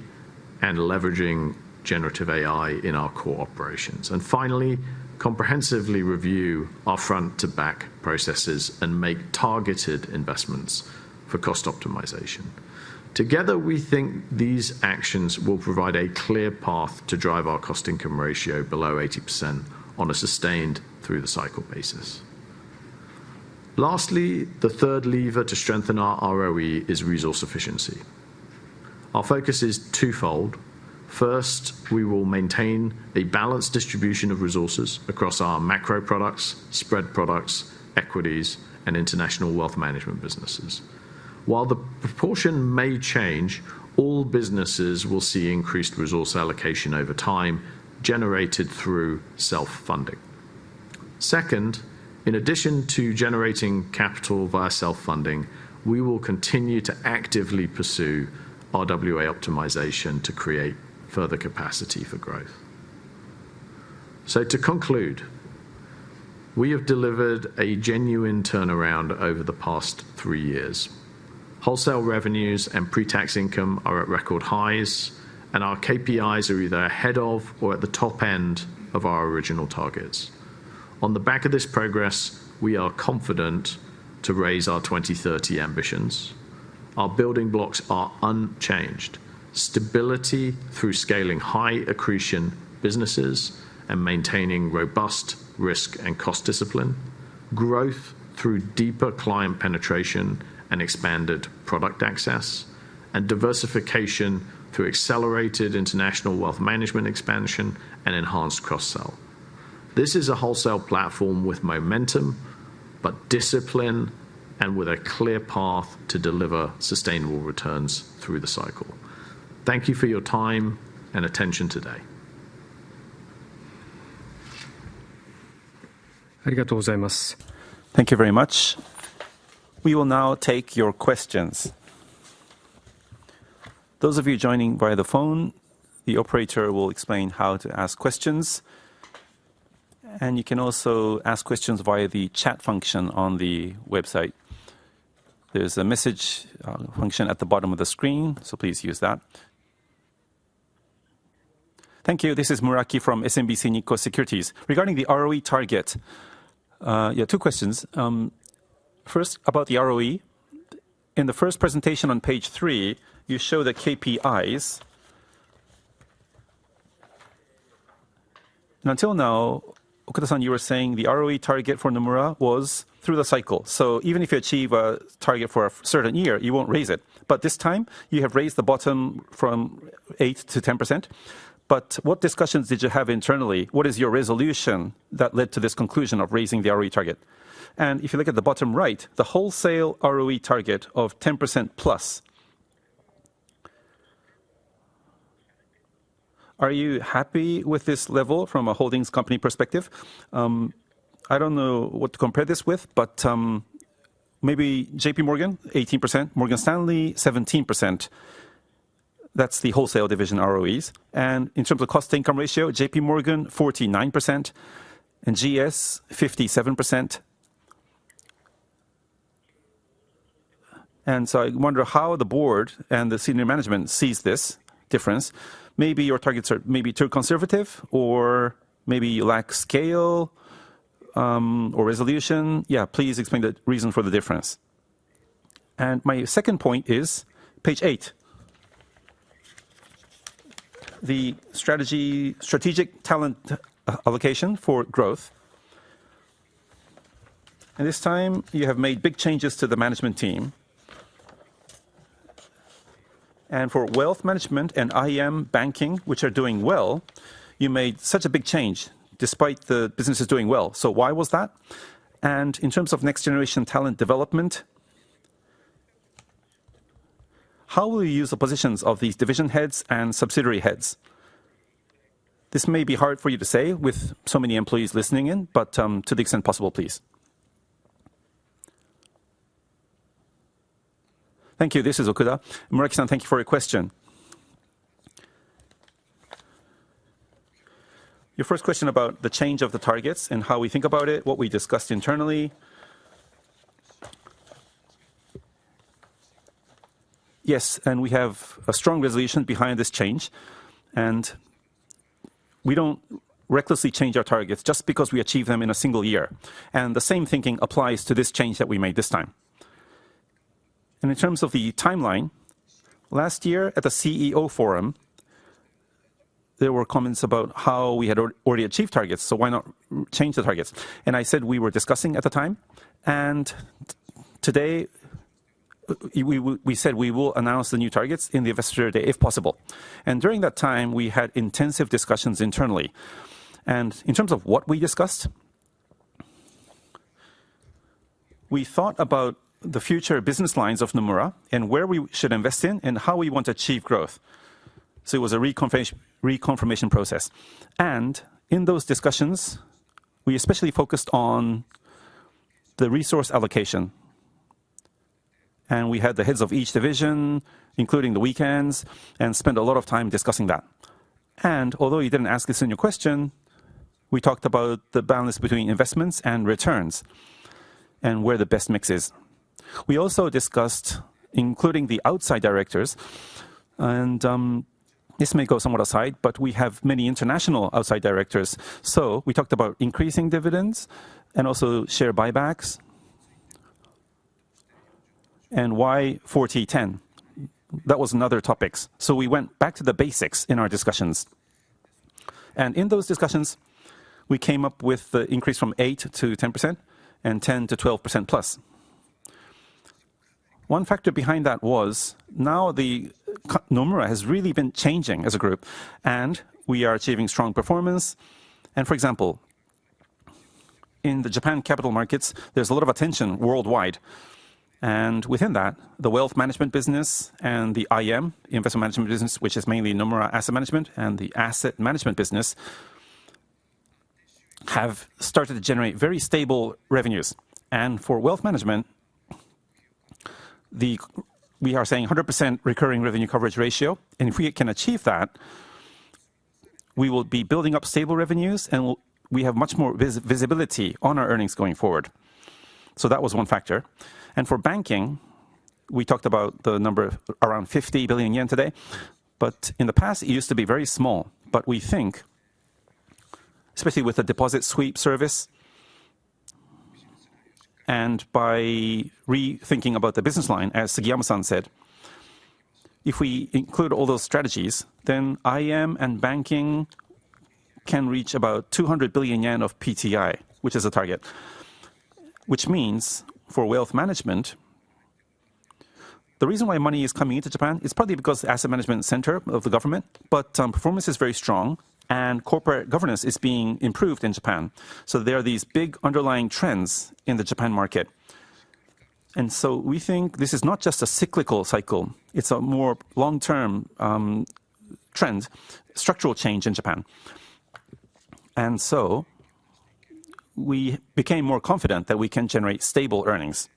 and leveraging generative AI in our core operations. Finally, comprehensively review our front to back processes and make targeted investments for cost optimization. Together, we think these actions will provide a clear path to drive our cost-to-income ratio below 80% on a sustained through the cycle basis. Lastly, the third lever to strengthen our ROE is resource efficiency. Our focus is twofold. First, we will maintain a balanced distribution of resources across our macro products, spread products, equities, and international wealth management businesses. While the proportion may change, all businesses will see increased resource allocation over time generated through self-funding. Second, in addition to generating capital via self-funding, we will continue to actively pursue RWA optimization to create further capacity for growth. To conclude, we have delivered a genuine turnaround over the past three years. Wholesale revenues and pre-tax income are at record highs, our KPIs are either ahead of or at the top end of our original targets. On the back of this progress, we are confident to raise our 2030 ambitions. Our building blocks are unchanged. Stability through scaling high accretion businesses and maintaining robust risk and cost discipline, growth through deeper client penetration and expanded product access, and diversification through accelerated international wealth management expansion and enhanced cross-sell. This is a wholesale platform with momentum, but discipline, and with a clear path to deliver sustainable returns through the cycle. Thank you for your time and attention today. Thank you very much. We will now take your questions. Those of you joining by the phone, the operator will explain how to ask questions, and you can also ask questions via the chat function on the website. There's a message function at the bottom of the screen, so please use that. Thank you. This is Muraki from SMBC Nikko Securities. Regarding the ROE target, two questions. First, about the ROE. In the first presentation on page three, you show the KPIs. Until now, Okuda-san, you were saying the ROE target for Nomura was through the cycle. Even if you achieve a target for a certain year, you won't raise it. This time you have raised the bottom from 8% to 10%. What discussions did you have internally? What is your resolution that led to this conclusion of raising the ROE target? If you look at the bottom right, the Wholesale ROE target of 10% plus. Are you happy with this level from a holdings company perspective? I don't know what to compare this with, but maybe JPMorgan 18%, Morgan Stanley 17%. That's the Wholesale division ROEs. In terms of cost-to-income ratio, JPMorgan 49% and GS 57%. I wonder how the board and the senior management sees this difference. Maybe your targets are maybe too conservative or maybe you lack scale or resolution. Yeah, please explain the reason for the difference. My second point is page eight. The strategic talent allocation for growth. This time you have made big changes to the management team. For Wealth Management and IM banking, which are doing well, you made such a big change despite the businesses doing well. Why was that? In terms of next-generation talent development, how will you use the positions of these division heads and subsidiary heads? This may be hard for you to say with so many employees listening in, but to the extent possible, please. Thank you. This is Okuda. Muraki-san, thank you for your question. Your first question about the change of the targets and how we think about it, what we discussed internally. We have a strong resolution behind this change, and we don't recklessly change our targets just because we achieve them in a single year. The same thinking applies to this change that we made this time. In terms of the timeline, last year at the CEO forum, there were comments about how we had already achieved targets, so why not change the targets? I said we were discussing at the time. Today we said we will announce the new targets in the Investor Day, if possible. During that time, we had intensive discussions internally. In terms of what we discussed, we thought about the future business lines of Nomura and where we should invest in and how we want to achieve growth. It was a reconfirmation process. In those discussions, we especially focused on the resource allocation. We had the heads of each division, including the weekends, and spent a lot of time discussing that. Although you didn't ask this in your question, we talked about the balance between investments and returns and where the best mix is. We also discussed including the outside directors. This may go somewhat aside, but we have many international outside directors. We talked about increasing dividends and also share buybacks. And why for T10? That was another topic. We went back to the basics in our discussions. In those discussions, we came up with the increase from 8% to 10% and 10% to 12%+. One factor behind that was now Nomura has really been changing as a group, and we are achieving strong performance. For example, in the Japan capital markets, there's a lot of attention worldwide. Within that, the wealth management business and the IM, investment management business, which is mainly Nomura Asset Management, and the asset management business, have started to generate very stable revenues. For wealth management, we are saying 100% recurring revenue cost coverage ratio. If we can achieve that, we will be building up stable revenues, and we have much more visibility on our earnings going forward. That was one factor. For banking, we talked about the number around 50 billion yen today. In the past, it used to be very small. We think, especially with the Deposit Sweep service, and by rethinking about the business line, as Sugiyama-san said, if we include all those strategies, then IM and banking can reach about 200 billion yen of PTI, which is a target. For wealth management, the reason why money is coming into Japan is partly because asset management center of the government, but performance is very strong and corporate governance is being improved in Japan. There are these big underlying trends in the Japan market. We think this is not just a cyclical cycle, it's a more long-term trend, structural change in Japan. We became more confident that we can generate stable earnings.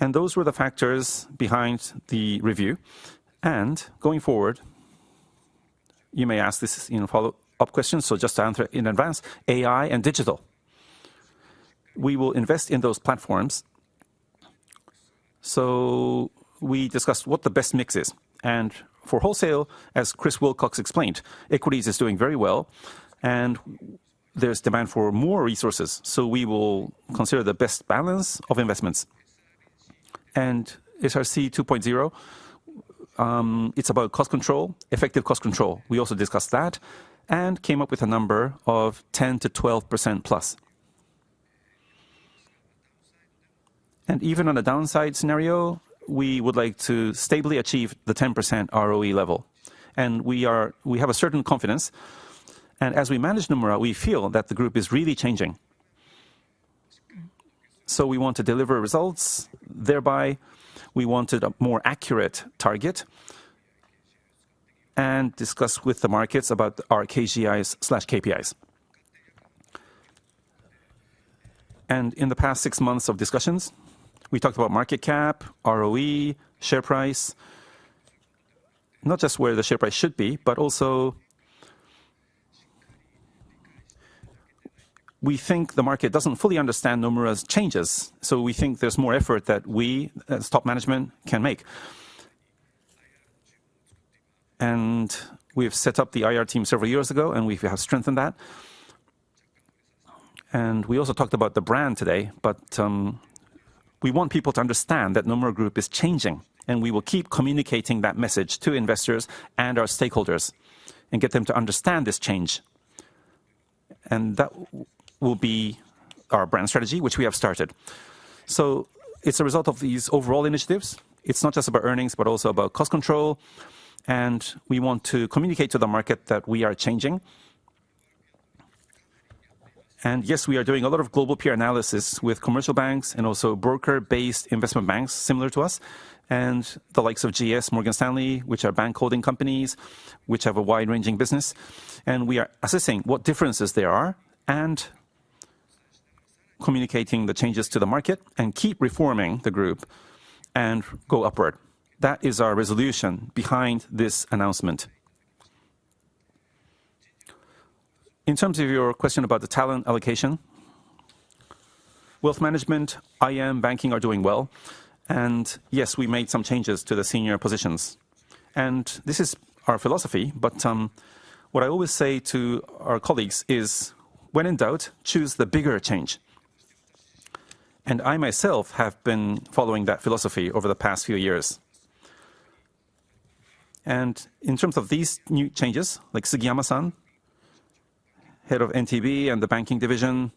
Those were the factors behind the review. Going forward, you may ask this in follow-up questions, just to answer in advance, AI and digital. We will invest in those platforms. We discussed what the best mix is. For wholesale, as Chris Willcox explained, equities is doing very well, and there's demand for more resources. We will consider the best balance of investments. SRC 2.0, it's about cost control, effective cost control. We also discussed that and came up with a number of 10%-12% plus. Even on a downside scenario, we would like to stably achieve the 10% ROE level. We have a certain confidence, as we manage Nomura, we feel that the Nomura Group is really changing. We want to deliver results, thereby, we wanted a more accurate target and discuss with the markets about our KGIs/KPIs. In the past six months of discussions, we talked about market cap, ROE, share price, not just where the share price should be, but also we think the market doesn't fully understand Nomura's changes. We think there's more effort that we as top management can make. We've set up the IR team several years ago, and we have strengthened that. We also talked about the brand today, but we want people to understand that Nomura Group is changing, and we will keep communicating that message to investors and our stakeholders and get them to understand this change. That will be our brand strategy, which we have started. It's a result of these overall initiatives. It's not just about earnings, but also about cost control. We want to communicate to the market that we are changing. Yes, we are doing a lot of global peer analysis with commercial banks and also broker-based investment banks similar to us and the likes of GS, Morgan Stanley, which are bank holding companies, which have a wide-ranging business. We are assessing what differences there are and communicating the changes to the market and keep reforming the group and go upward. That is our resolution behind this announcement. In terms of your question about the talent allocation, Wealth Management, IM, Banking are doing well. Yes, we made some changes to the senior positions, and this is our philosophy, but what I always say to my colleagues is, "When in doubt, choose the bigger change." I myself have been following that philosophy over the past few years. In terms of these new changes, like Sugiyama-san, head of NTB and the Banking division.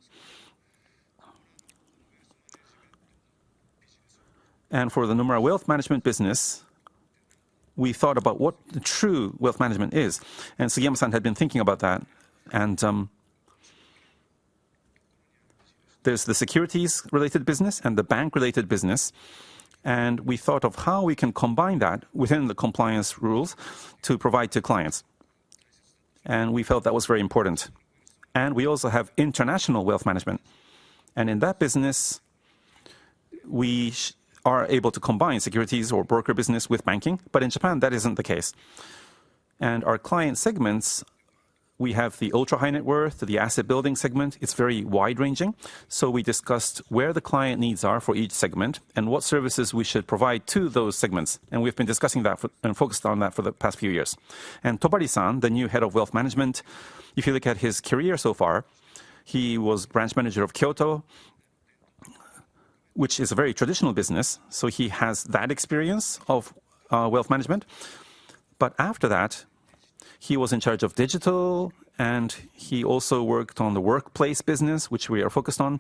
For the Nomura Wealth Management business, we thought about what true wealth management is. Sugiyama-san had been thinking about that, and there's the securities-related business and the bank-related business, and we thought of how we can combine that within the compliance rules to provide to clients. We felt that was very important. We also have international wealth management. In that business, we are able to combine securities or broker business with banking. In Japan, that isn't the case. Our client segments, we have the ultra-high net worth, the asset building segment. It's very wide-ranging. We discussed where the client needs are for each segment and what services we should provide to those segments. We've been discussing that and focused on that for the past few years. Tobari-san, the new Head of Wealth Management, if you look at his career so far, he was branch manager of Kyoto, which is a very traditional business, so he has that experience of wealth management. After that, he was in charge of digital, and he also worked on the workplace business, which we are focused on,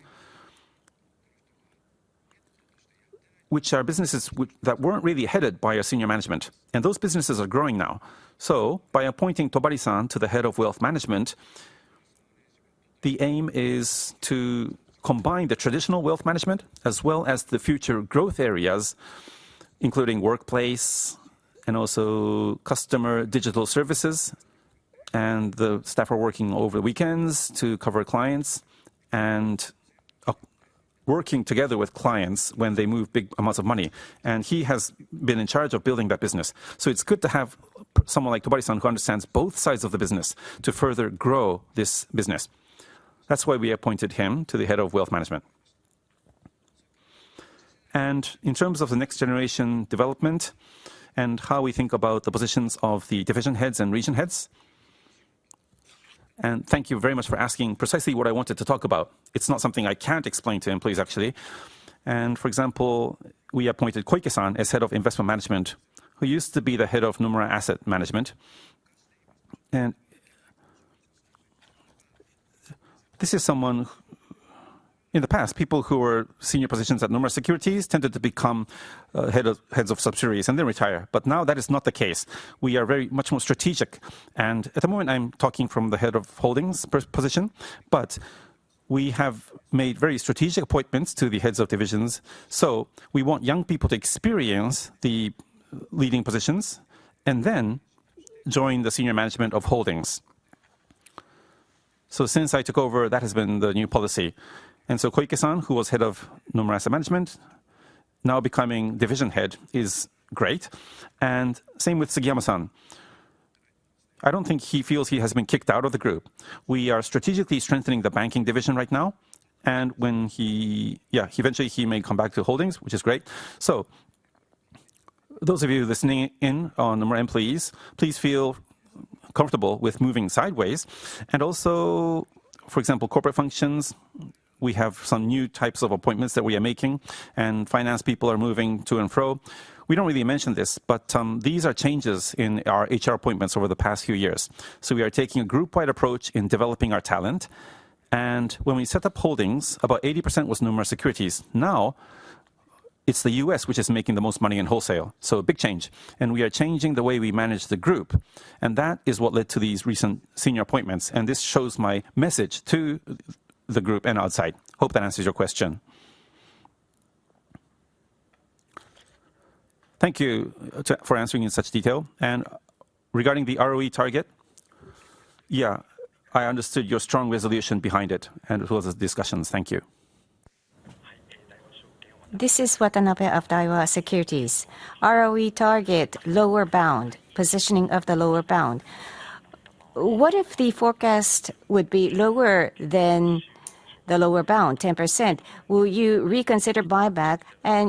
which are businesses that weren't really headed by our senior management, and those businesses are growing now. By appointing Tobari-san to the Head of Wealth Management, the aim is to combine the traditional wealth management as well as the future growth areas, including workplace and also customer digital services. The staff are working over weekends to cover clients and are working together with clients when they move big amounts of money. He has been in charge of building that business. It's good to have someone like Tobari-san who understands both sides of the business to further grow this business. That's why we appointed him to the Head of Wealth Management. In terms of the next generation development and how we think about the positions of the division heads and region heads. Thank you very much for asking precisely what I wanted to talk about. It's not something I can't explain to employees, actually. For example, we appointed Koike-san as Head of Investment Management, who used to be the Head of Nomura Asset Management. In the past, people who were senior positions at Nomura Securities tended to become heads of subsidiaries and then retire. Now that is not the case. We are very much more strategic, and at the moment I'm talking from the Head of Holdings position. We have made very strategic appointments to the heads of divisions. We want young people to experience the leading positions and then join the senior management of holdings. Since I took over, that has been the new policy. Koike, who was head of Nomura Asset Management, now becoming division head is great, and same with Sugiyama. I don't think he feels he has been kicked out of the group. We are strategically strengthening the banking division right now, and when he Yeah. Eventually, he may come back to holdings, which is great. Those of you listening in on Nomura employees, please feel comfortable with moving sideways and also, for example, corporate functions. We have some new types of appointments that we are making, and finance people are moving to and fro. We don't really mention this, but these are changes in our HR appointments over the past few years. We are taking a group-wide approach in developing our talent. When we set up holdings, about 80% was Nomura Securities. Now it's the U.S. which is making the most money in Wholesale. A big change. We are changing the way we manage the group, and that is what led to these recent senior appointments, and this shows my message to the group and outside. Hope that answers your question. Thank you for answering in such detail. Regarding the ROE target, yeah, I understood your strong resolution behind it and towards the discussions. Thank you. This is Watanabe of Daiwa Securities. ROE target lower bound, positioning of the lower bound. What if the forecast would be lower than the lower bound 10%? Will you reconsider buyback?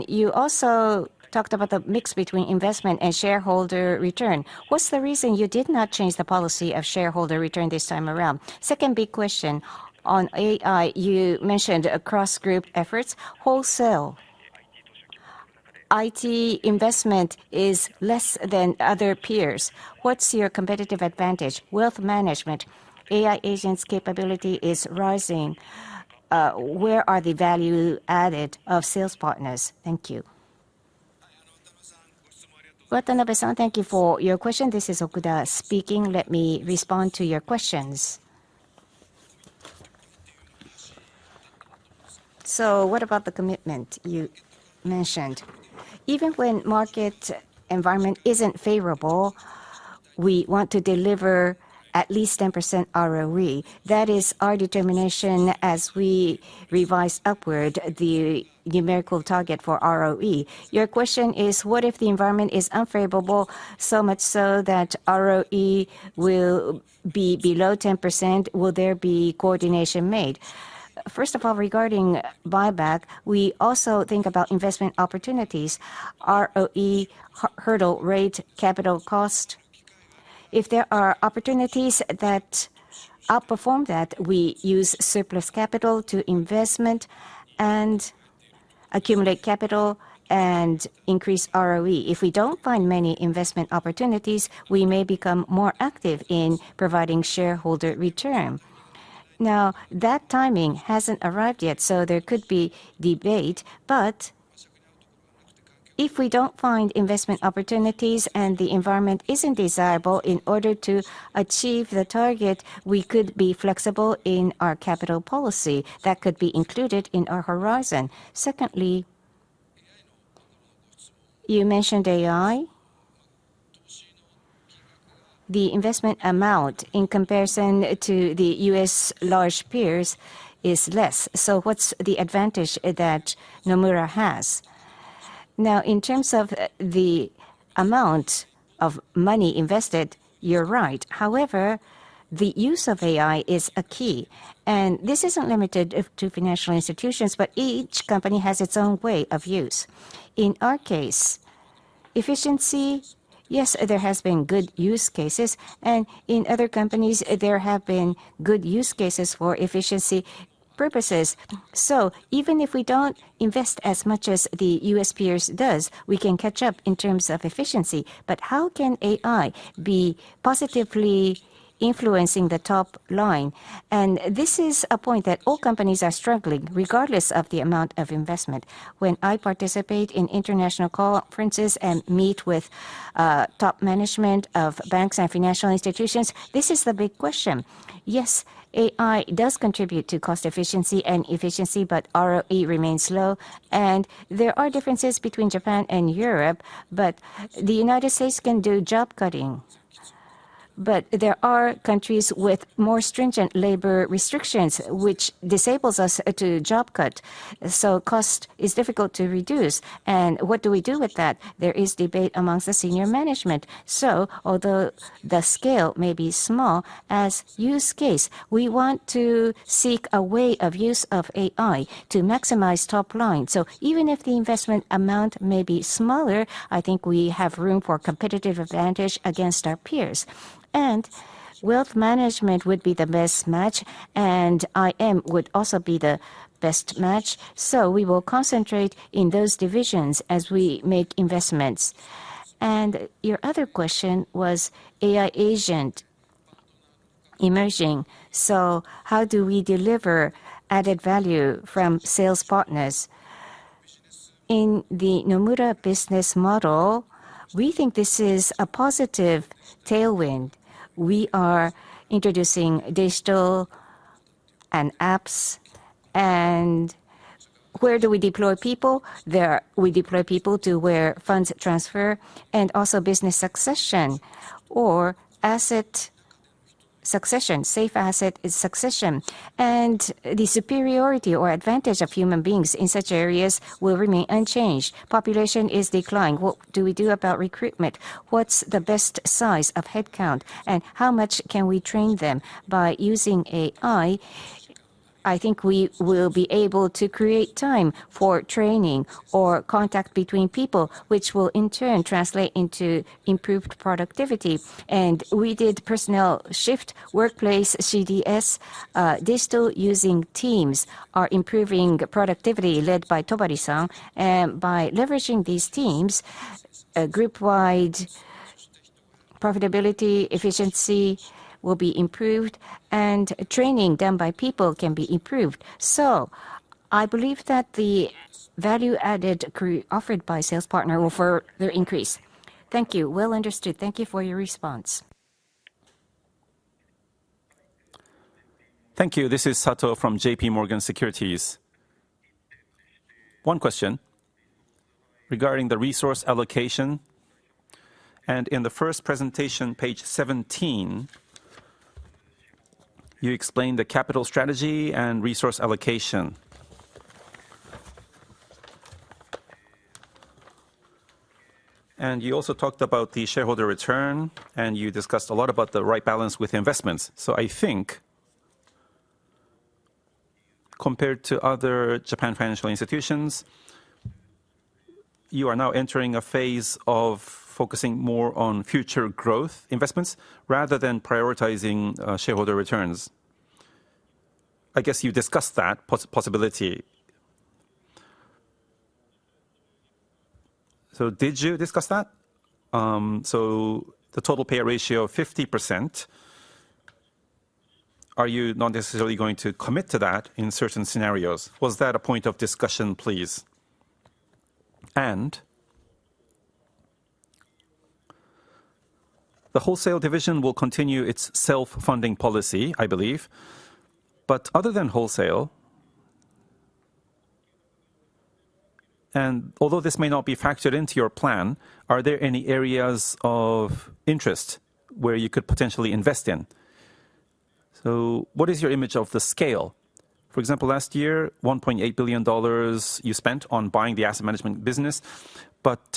You also talked about the mix between investment and shareholder return. What's the reason you did not change the policy of shareholder return this time around? Second big question on AI. You mentioned across group efforts, wholesale IT investment is less than other peers. What's your competitive advantage? Wealth management AI agents capability is rising. Where are the value added of sales partners? Thank you. Watanabe-san, thank you for your question. This is Okuda speaking. Let me respond to your questions. What about the commitment you mentioned? Even when market environment isn't favorable, we want to deliver at least 10% ROE. That is our determination as we revise upward the numerical target for ROE. Your question is, what if the environment is unfavorable, so much so that ROE will be below 10%? Will there be coordination made? Regarding buyback, we also think about investment opportunities, ROE, hurdle rate, capital cost. If there are opportunities that outperform that, we use surplus capital to investment and accumulate capital and increase ROE. If we don't find many investment opportunities, we may become more active in providing shareholder return. That timing hasn't arrived yet, there could be debate, if we don't find investment opportunities and the environment isn't desirable in order to achieve the target, we could be flexible in our capital policy that could be included in our horizon. You mentioned AI. The investment amount in comparison to the U.S. large peers is less. What's the advantage that Nomura has? In terms of the amount of money invested, you're right. The use of AI is a key, and this isn't limited to financial institutions, but each company has its own way of use. Efficiency, yes, there has been good use cases, and in other companies, there have been good use cases for efficiency purposes. Even if we don't invest as much as the U.S. peers does, we can catch up in terms of efficiency. How can AI be positively influencing the top line? This is a point that all companies are struggling, regardless of the amount of investment. When I participate in international conferences and meet with top management of banks and financial institutions, this is the big question. Yes, AI does contribute to cost efficiency and efficiency, but ROE remains low. There are differences between Japan and Europe, but the U.S. can do job cutting. There are countries with more stringent labor restrictions, which disables us to job cut. Cost is difficult to reduce. What do we do with that? There is debate amongst the senior management. Although the scale may be small as use case, we want to seek a way of use of AI to maximize top line. Even if the investment amount may be smaller, I think we have room for competitive advantage against our peers. Wealth Management would be the best match, and IM would also be the best match. We will concentrate in those divisions as we make investments. Your other question was AI agent emerging. How do we deliver added value from sales partners? In the Nomura business model, we think this is a positive tailwind. We are introducing digital and apps. Where do we deploy people? We deploy people to where funds transfer and also business succession or asset succession, safe asset succession. The superiority or advantage of human beings in such areas will remain unchanged. Population is declining. What do we do about recruitment? What's the best size of headcount, and how much can we train them? By using AI, I think we will be able to create time for training or contact between people, which will in turn translate into improved productivity. We did personnel shift workplace CDS. Digital using Teams are improving productivity led by Tobari. By leveraging these teams, group-wide profitability efficiency will be improved, and training done by people can be improved. I believe that the value added offered by sales partner will further increase. Thank you. Well understood. Thank you for your response. Thank you. This is Sato from JPMorgan Securities. One question regarding the resource allocation, in the first presentation, page 17, you explained the capital strategy and resource allocation. You also talked about the shareholder return, you discussed a lot about the right balance with investments. I think compared to other Japanese financial institutions, you are now entering a phase of focusing more on future growth investments rather than prioritizing shareholder returns. I guess you discussed that possibility. Did you discuss that? The total payout ratio of 50%, are you not necessarily going to commit to that in certain scenarios? Was that a point of discussion, please? The wholesale division will continue its self-funding policy, I believe. Other than wholesale, although this may not be factored into your plan, are there any areas of interest where you could potentially invest in? What is your image of the scale? For example, last year, $1.8 billion you spent on buying the asset management business, but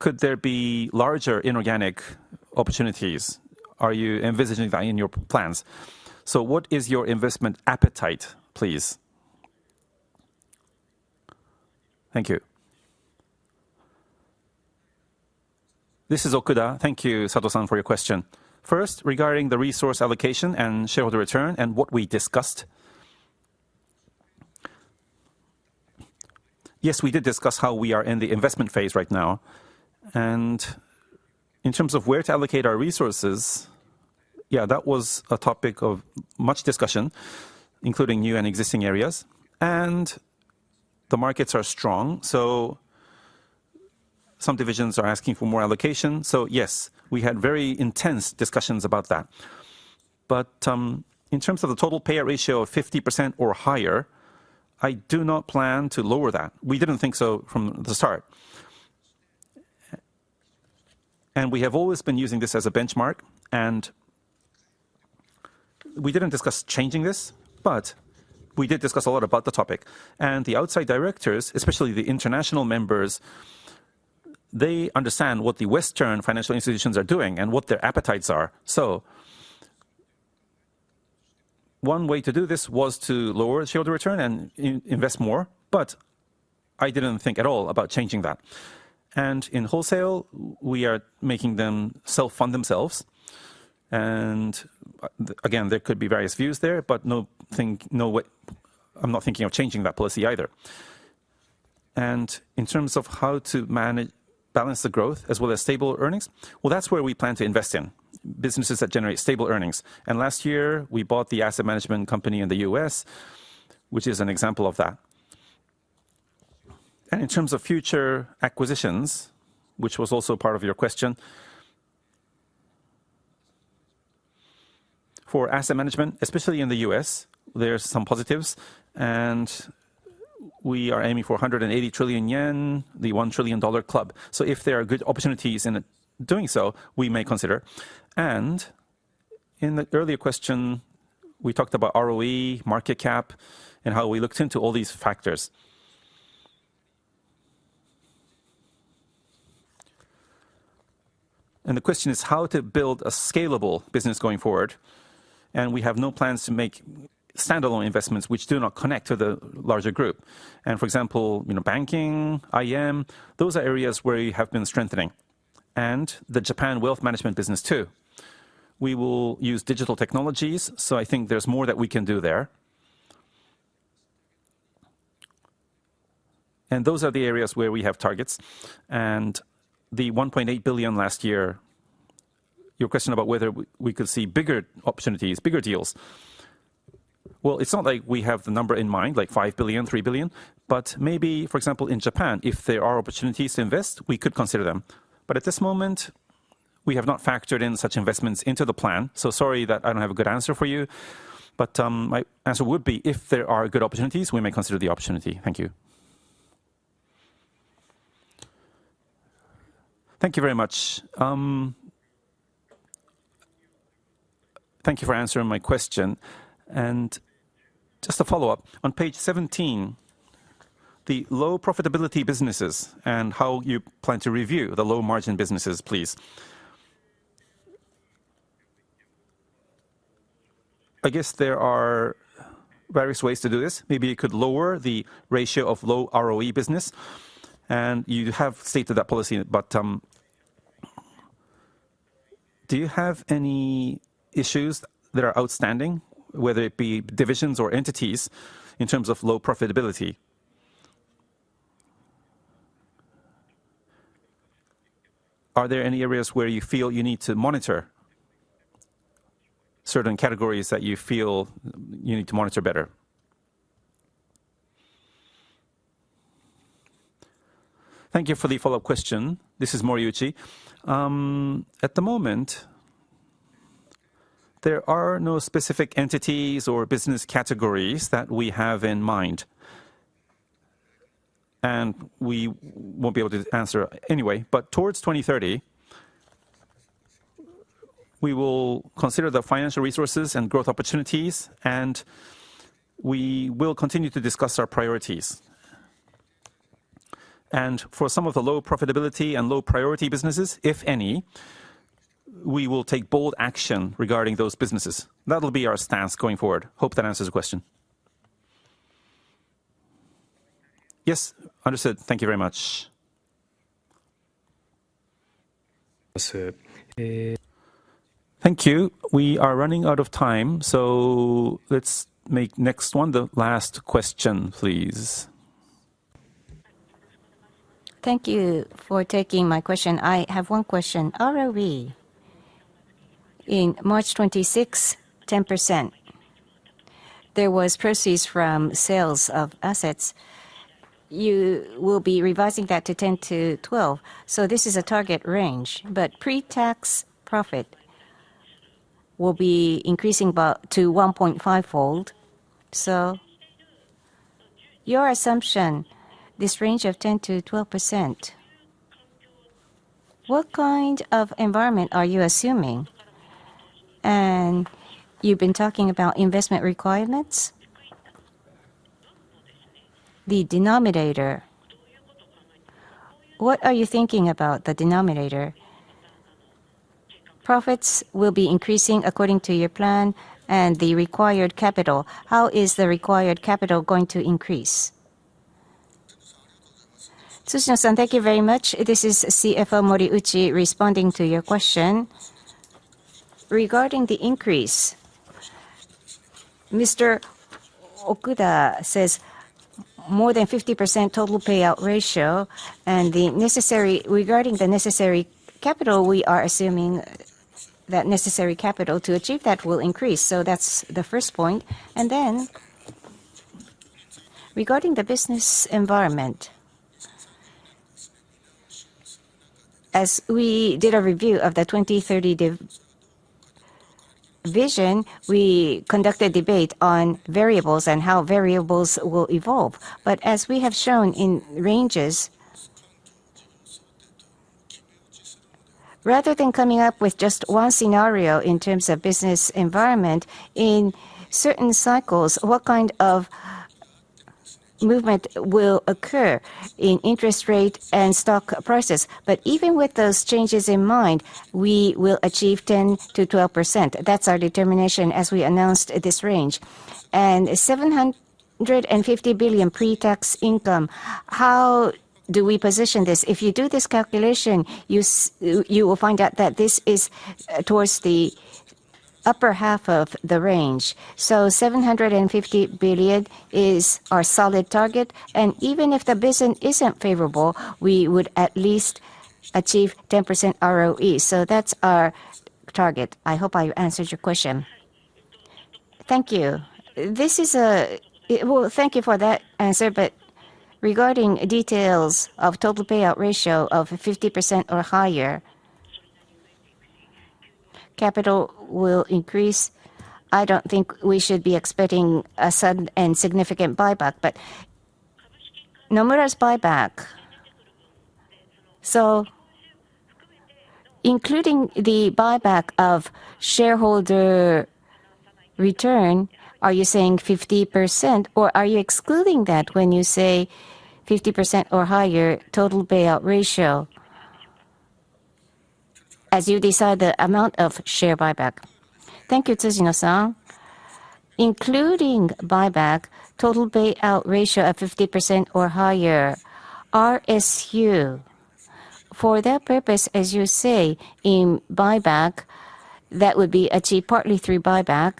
could there be larger inorganic opportunities? Are you envisaging that in your plans? What is your investment appetite, please? Thank you. This is Okuda. Thank you, Sato-san, for your question. First, regarding the resource allocation and shareholder return and what we discussed. Yes, we did discuss how we are in the investment phase right now. In terms of where to allocate our resources, yeah, that was a topic of much discussion, including new and existing areas. The markets are strong, so some divisions are asking for more allocation. Yes, we had very intense discussions about that. In terms of the total payout ratio of 50% or higher, I do not plan to lower that. We didn't think so from the start. We have always been using this as a benchmark, we didn't discuss changing this, we did discuss a lot about the topic. The outside directors, especially the international members, they understand what the Western financial institutions are doing and what their appetites are. One way to do this was to lower shareholder return and invest more. I didn't think at all about changing that. In wholesale, we are making them self-fund themselves. Again, there could be various views there, I'm not thinking of changing that policy either. In terms of how to balance the growth as well as stable earnings, well, that's where we plan to invest in, businesses that generate stable earnings. Last year, we bought the asset management company in the U.S., which is an example of that. In terms of future acquisitions, which was also part of your question. For asset management, especially in the U.S., there are some positives, and we are aiming for 180 trillion yen, the $1 trillion club. If there are good opportunities in doing so, we may consider. In the earlier question, we talked about ROE, market cap, and how we looked into all these factors. The question is how to build a scalable business going forward. We have no plans to make standalone investments which do not connect to the larger group. For example, banking, IM, those are areas where we have been strengthening. The Japan Wealth Management business too. We will use digital technologies, so I think there's more that we can do there. Those are the areas where we have targets. The $1.8 billion last year, your question about whether we could see bigger opportunities, bigger deals. It's not like we have the number in mind, like 5 billion, 3 billion, maybe, for example, in Japan, if there are opportunities to invest, we could consider them. At this moment, we have not factored in such investments into the plan. Sorry that I don't have a good answer for you. My answer would be if there are good opportunities, we may consider the opportunity. Thank you. Thank you very much. Thank you for answering my question. Just a follow-up. On page 17, the low profitability businesses and how you plan to review the low margin businesses, please. I guess there are various ways to do this. Maybe you could lower the ratio of low ROE business. You have stated that policy. Do you have any issues that are outstanding, whether it be divisions or entities, in terms of low profitability? Are there any areas where you feel you need to monitor certain categories that you feel you need to monitor better? Thank you for the follow-up question. This is Moriuchi. At the moment, there are no specific entities or business categories that we have in mind. We won't be able to answer anyway. Towards 2030, we will consider the financial resources and growth opportunities. We will continue to discuss our priorities. For some of the low profitability and low priority businesses, if any, we will take bold action regarding those businesses. That'll be our stance going forward. Hope that answers your question. Yes. Understood. Thank you very much. Thank you. We are running out of time, so let's make next one the last question, please. Thank you for taking my question. I have one question. ROE. In March'26, 10%, there was proceeds from sales of assets. You will be revising that to 10%-12%. This is a target range, but pre-tax profit will be increasing to 1.5-fold. Your assumption, this range of 10%-12%, what kind of environment are you assuming? You've been talking about investment requirements. The denominator. What are you thinking about the denominator? Profits will be increasing according to your plan and the required capital. How is the required capital going to increase? Tsujino-san, thank you very much. This is CFO Moriuchi responding to your question. Regarding the increase, Mr. Okuda says more than 50% total payout ratio, and regarding the necessary capital, we are assuming that necessary capital to achieve that will increase. That's the first point. Regarding the business environment. As we did a review of the 2030 vision, we conducted debate on variables and how variables will evolve. As we have shown in ranges, rather than coming up with just one scenario in terms of business environment in certain cycles, what kind of movement will occur in interest rate and stock prices. Even with those changes in mind, we will achieve 10%-12%. That's our determination as we announced this range. 750 billion pre-tax income, how do we position this? If you do this calculation, you will find out that this is towards the upper half of the range. 750 billion is our solid target, and even if the business isn't favorable, we would at least achieve 10% ROE. That's our target. I hope I answered your question. Thank you. Thank you for that answer, regarding details of total payout ratio of 50% or higher, capital will increase. I don't think we should be expecting a sudden and significant buyback. Nomura's buyback, so including the buyback of shareholder return, are you saying 50% or are you excluding that when you say 50% or higher total payout ratio as you decide the amount of share buyback? Thank you, Tsujino-san. Including buyback, total payout ratio of 50% or higher, RSU for that purpose, as you say, in buyback, that would be achieved partly through buyback.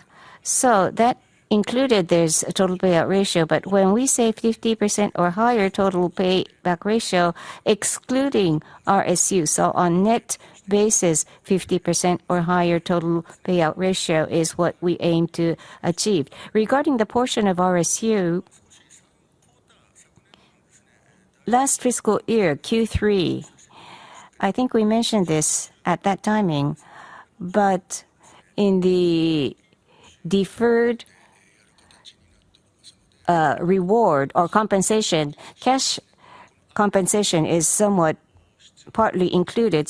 That included there's a total payout ratio. When we say 50% or higher total payout ratio excluding RSU, on net basis, 50% or higher total payout ratio is what we aim to achieve. Regarding the portion of RSU, last fiscal year Q3, I think we mentioned this at that timing, in the deferred reward or compensation, cash compensation is somewhat partly included.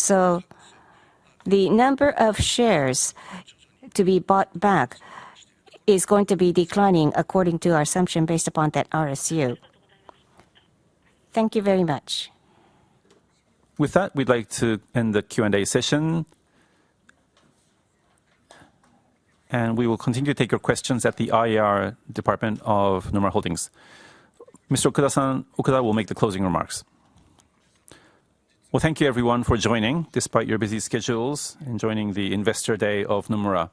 The number of shares to be bought back is going to be declining according to our assumption based upon that RSU. Thank you very much. With that, we'd like to end the Q&A session. We will continue to take your questions at the IR department of Nomura Holdings. Mr. Okuda will make the closing remarks. Well, thank you everyone for joining despite your busy schedules in joining the Investor Day of Nomura.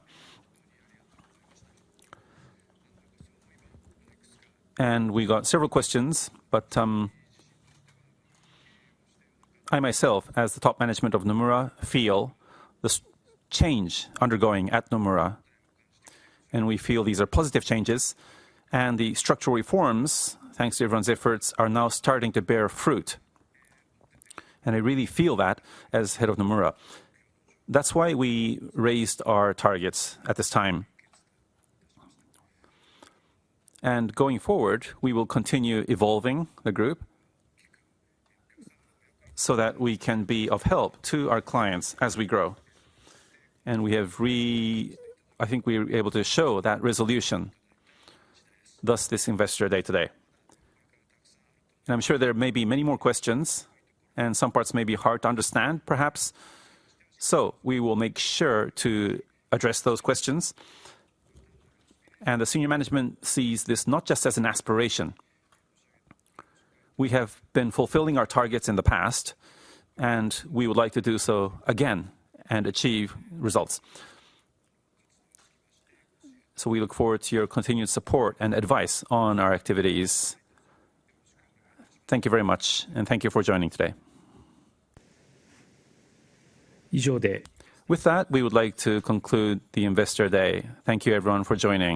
We got several questions, but I myself, as the top management of Nomura, feel this change undergoing at Nomura, and we feel these are positive changes. The structural reforms, thanks to everyone's efforts, are now starting to bear fruit, and I really feel that as head of Nomura. That's why we raised our targets at this time. Going forward, we will continue evolving the group so that we can be of help to our clients as we grow. I think we are able to show that resolution, thus this Investor Day today. I'm sure there may be many more questions, and some parts may be hard to understand, perhaps. We will make sure to address those questions. The senior management sees this not just as an aspiration. We have been fulfilling our targets in the past, and we would like to do so again and achieve results. We look forward to your continued support and advice on our activities. Thank you very much, and thank you for joining today. With that, we would like to conclude the Investor Day. Thank you everyone for joining.